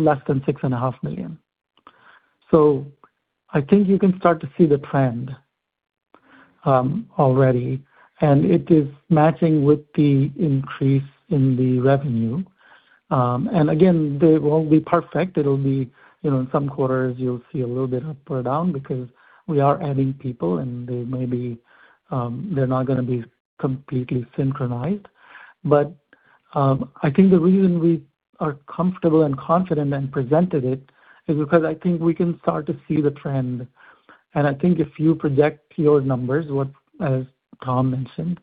less than $6.5 million. I think you can start to see the trend already, and it is matching with the increase in the revenue. And again, they won't be perfect. It'll be, you know, in some quarters you'll see a little bit up or down because we are adding people and they may be, they're not gonna be completely synchronized. I think the reason we are comfortable and confident and presented it is because I think we can start to see the trend. I think if you project your numbers, what, as Tom mentioned,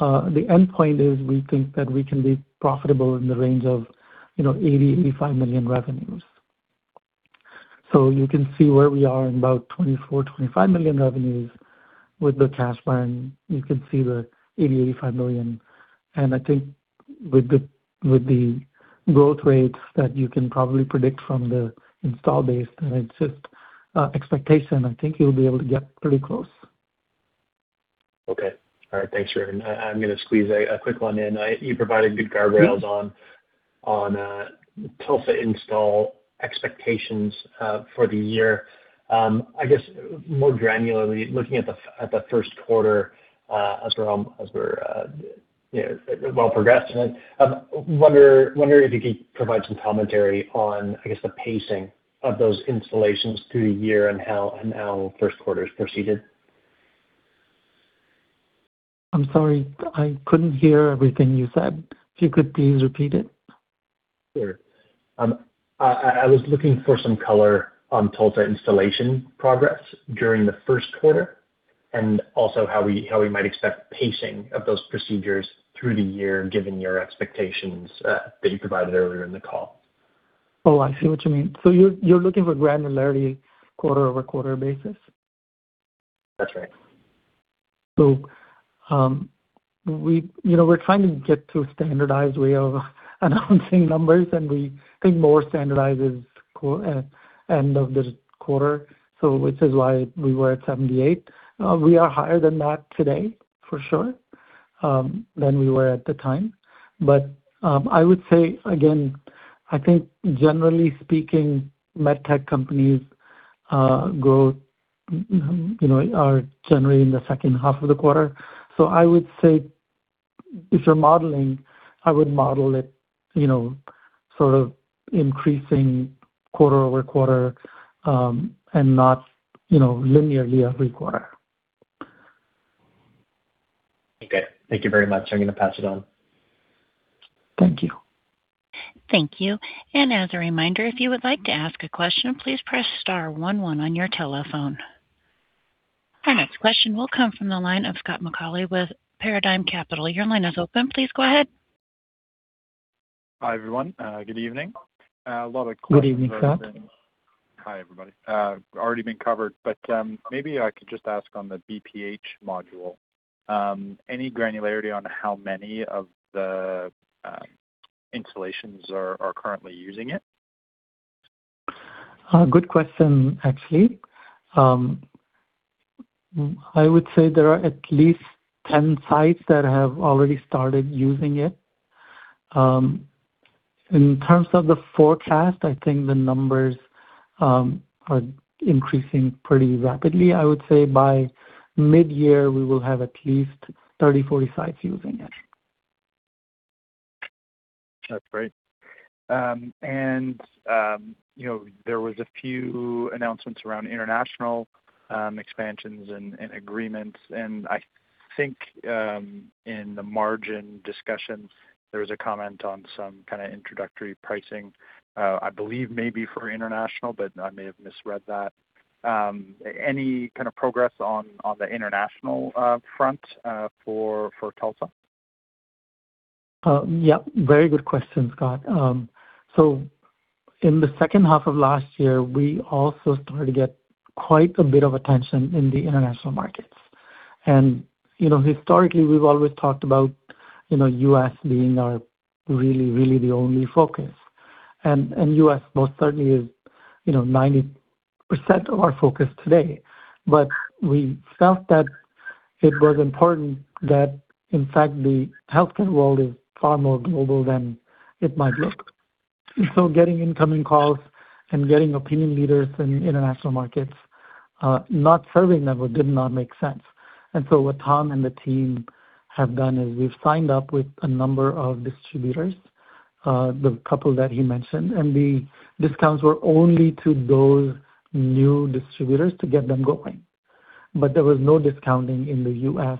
the endpoint is we think that we can be profitable in the range of, you know, $80-85 million revenues. You can see where we are in about $24 -25 million revenues with the cash burn. You can see the $80-85 million. I think with the, with the growth rates that you can probably predict from the install base, and it's just expectation, I think you'll be able to get pretty close. Okay. All right. Thanks, Arun. I'm gonna squeeze a quick one in. You provided good guardrails on TULSA install expectations for the year. I guess more granularly, looking at the first quarter, as we're, you know, well progressed in it. Wondering if you could provide some commentary on, I guess, the pacing of those installations through the year and how first quarter's proceeded. I'm sorry. I couldn't hear everything you said. If you could please repeat it. Sure. I was looking for some color on TULSA installation progress during the first quarter, and also how we might expect pacing of those procedures through the year, given your expectations that you provided earlier in the call. Oh, I see what you mean. You're looking for granularity quarter-over-quarter basis? That's right. You know, we're trying to get to a standardized way of announcing numbers, and we think more standardized is end of this quarter. Which is why we were at 78. We are higher than that today for sure than we were at the time. I would say, again, I think generally speaking, med tech companies grow, you know, are generally in the second half of the quarter. I would say if you're modeling, I would model it, you know, sort of increasing quarter-over-quarter, and not, you know, linearly every quarter. Okay. Thank you very much. I'm gonna pass it on. Thank you. Thank you. As a reminder, if you would like to ask a question, please press star 11 on your telephone. Our next question will come from the line of Scott McAuley with Paradigm Capital. Your line is open. Please go ahead. Hi, everyone. Good evening. A lot of questions. Good evening, Scott. Hi, everybody. Already been covered. Maybe I could just ask on the BPH module. Any granularity on how many of the installations are currently using it? Good question, actually. I would say there are at least 10 sites that have already started using it. In terms of the forecast, I think the numbers are increasing pretty rapidly. I would say by mid-year, we will have at least 30, 40 sites using it. That's great. you know, there was a few announcements around international expansions and agreements. I think, in the margin discussions, there was a comment on some kinda introductory pricing, I believe maybe for international, but I may have misread that. Any kind of progress on the international front for TULSA? Yep, very good question, Scott. In the second half of last year, we also started to get quite a bit of attention in the international markets. You know, historically, we've always talked about, you know, U.S. being our really, really the only focus. U.S. most certainly is, you know, 90% of our focus today. We felt that it was important that, in fact, the healthcare world is far more global than it might look. Getting incoming calls and getting opinion leaders in international markets, not serving them did not make sense. What Tom and the team have done is we've signed up with a number of distributors, the couple that he mentioned, and the discounts were only to those new distributors to get them going. There was no discounting in the U.S.,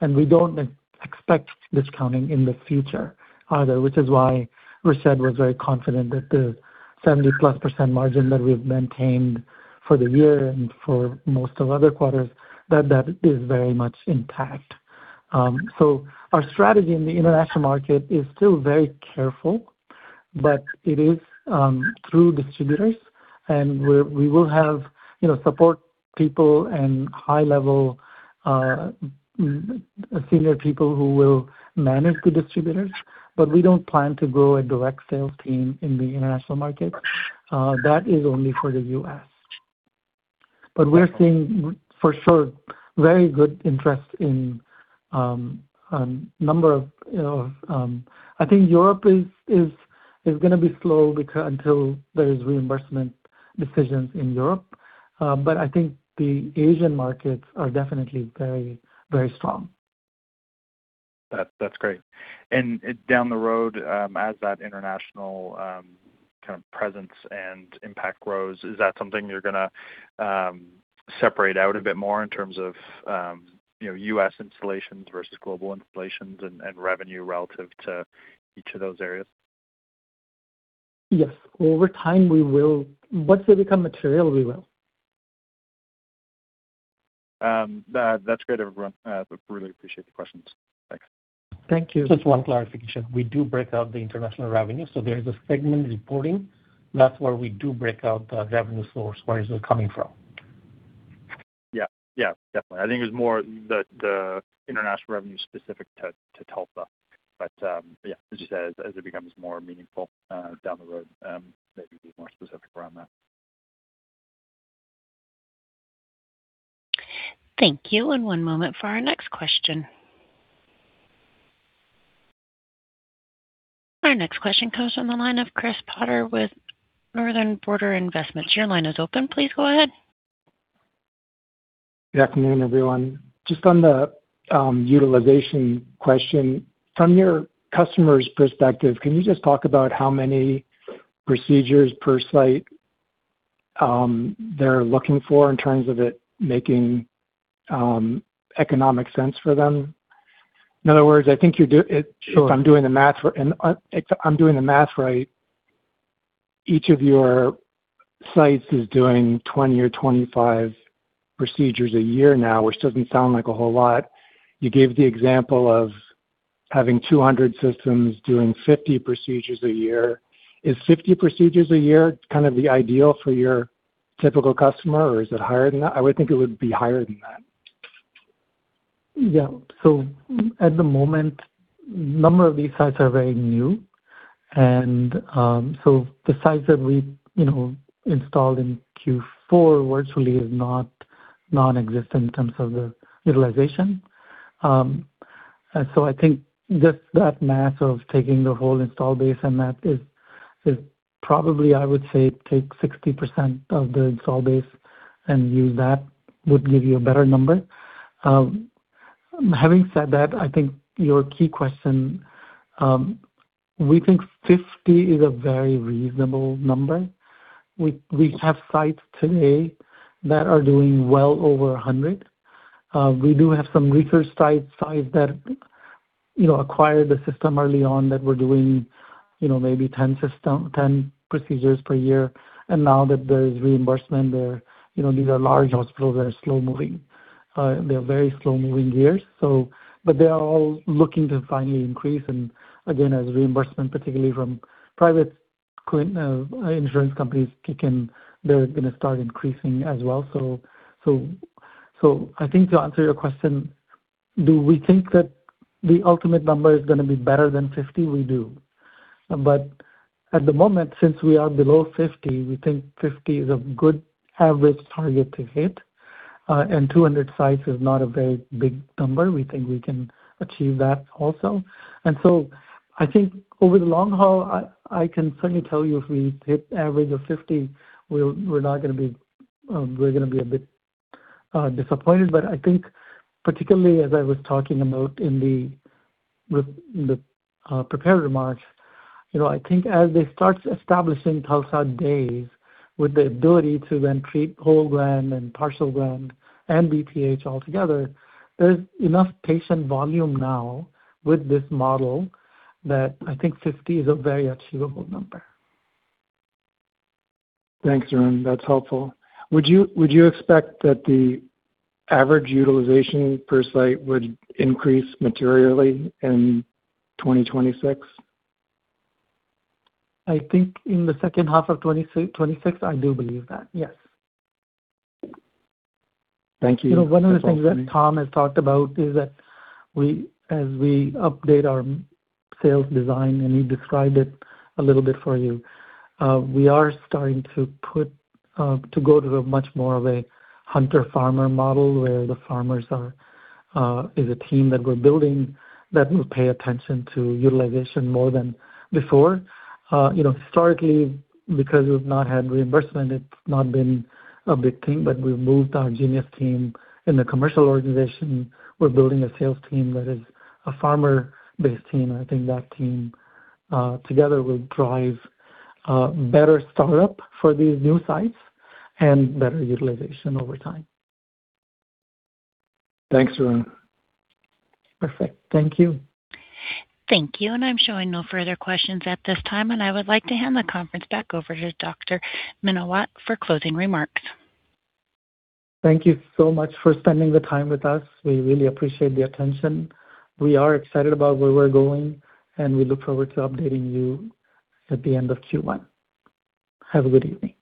and we don't expect discounting in the future either, which is why Rashed was very confident that the 70%+ margin that we've maintained for the year and for most of other quarters, that that is very much intact. So our strategy in the international market is still very careful, but it is, through distributors, and we will have, you know, support people and high-level, senior people who will manage the distributors. We don't plan to grow a direct sales team in the international market. That is only for the U.S. We're seeing for sure very good interest in, number of. I think Europe is gonna be slow until there is reimbursement decisions in Europe. I think the Asian markets are definitely very, very strong. That's great. Down the road, as that international kind of presence and impact grows, is that something you're gonna separate out a bit more in terms of, you know, U.S. installations versus global installations and revenue relative to each of those areas? Yes. Over time, we will. Once they become material, we will. That, that's great, everyone. Really appreciate the questions. Thanks. Thank you. Just one clarification. We do break out the international revenue, so there is a segment reporting. That's where we do break out the revenue source, where is it coming from? Yeah. Yeah, definitely. I think it's more the international revenue specific to TULSA. Yeah, as you said, as it becomes more meaningful, down the road, maybe be more specific around that. Thank you. One moment for our next question. Our next question comes from the line of Chris Potter with Northern Border Investments. Your line is open. Please go ahead. Good afternoon, everyone. Just on the utilization question. From your customer's perspective, can you just talk about how many procedures per site they're looking for in terms of it making economic sense for them? In other words, I think. Sure. If I'm doing the math right, each of your sites is doing 20 or 25 procedures a year now, which doesn't sound like a whole lot. You gave the example of having 200 systems doing 50 procedures a year. Is 50 procedures a year kind of the ideal for your typical customer, or is it higher than that? I would think it would be higher than that. Yeah. At the moment, number of these sites are very new. The sites that we, you know, installed in Q4 virtually is not non-existent in terms of the utilization. I think just that math of taking the whole install base and that is probably, I would say, take 60% of the install base and use that would give you a better number. Having said that, I think your key question, we think 50 is a very reasonable number. We have sites today that are doing well over 100. We do have some research sites that, you know, acquired the system early on that we're doing, you know, maybe 10 procedures per year. Now that there is reimbursement, they're, you know, these are large hospitals that are slow-moving. They're very slow-moving gears. They are all looking to finally increase, and again, as reimbursement, particularly from private insurance companies kick in, they're gonna start increasing as well. I think to answer your question, do we think that the ultimate number is gonna be better than 50? We do. At the moment, since we are below 50, we think 50 is a good average target to hit. 200 sites is not a very big number. We think we can achieve that also. I think over the long haul, I can certainly tell you if we hit average of 50, we're not gonna be... we're gonna be a bit disappointed. I think particularly as I was talking about in the, with the prepared remarks, you know, I think as they start establishing Pulsed Radiofrequency days with the ability to then treat whole gland and partial gland and BPH altogether, there's enough patient volume now with this model that I think 50 is a very achievable number. Thanks, Arun. That's helpful. Would you expect that the average utilization per site would increase materially in 2026? I think in the second half of 2026, I do believe that, yes. Thank you. You know, one of the things that Tom has talked about is that as we update our sales design, and he described it a little bit for you, we are starting to put to go to a much more of a hunter-farmer model where the farmers are is a team that we're building that will pay attention to utilization more than before. You know, historically, because we've not had reimbursement, it's not been a big thing, but we've moved our genius team in the commercial organization. We're building a sales team that is a farmer-based team. I think that team, together, will drive better start-up for these new sites and better utilization over time. Thanks, Arun. Perfect. Thank you. Thank you. I'm showing no further questions at this time, and I would like to hand the conference back over to Dr. Menawat for closing remarks. Thank you so much for spending the time with us. We really appreciate the attention. We are excited about where we're going. We look forward to updating you at the end of Q1. Have a good evening.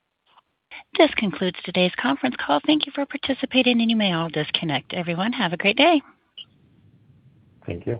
This concludes today's conference call. Thank you for participating, and you may all disconnect. Everyone, have a great day. Thank you.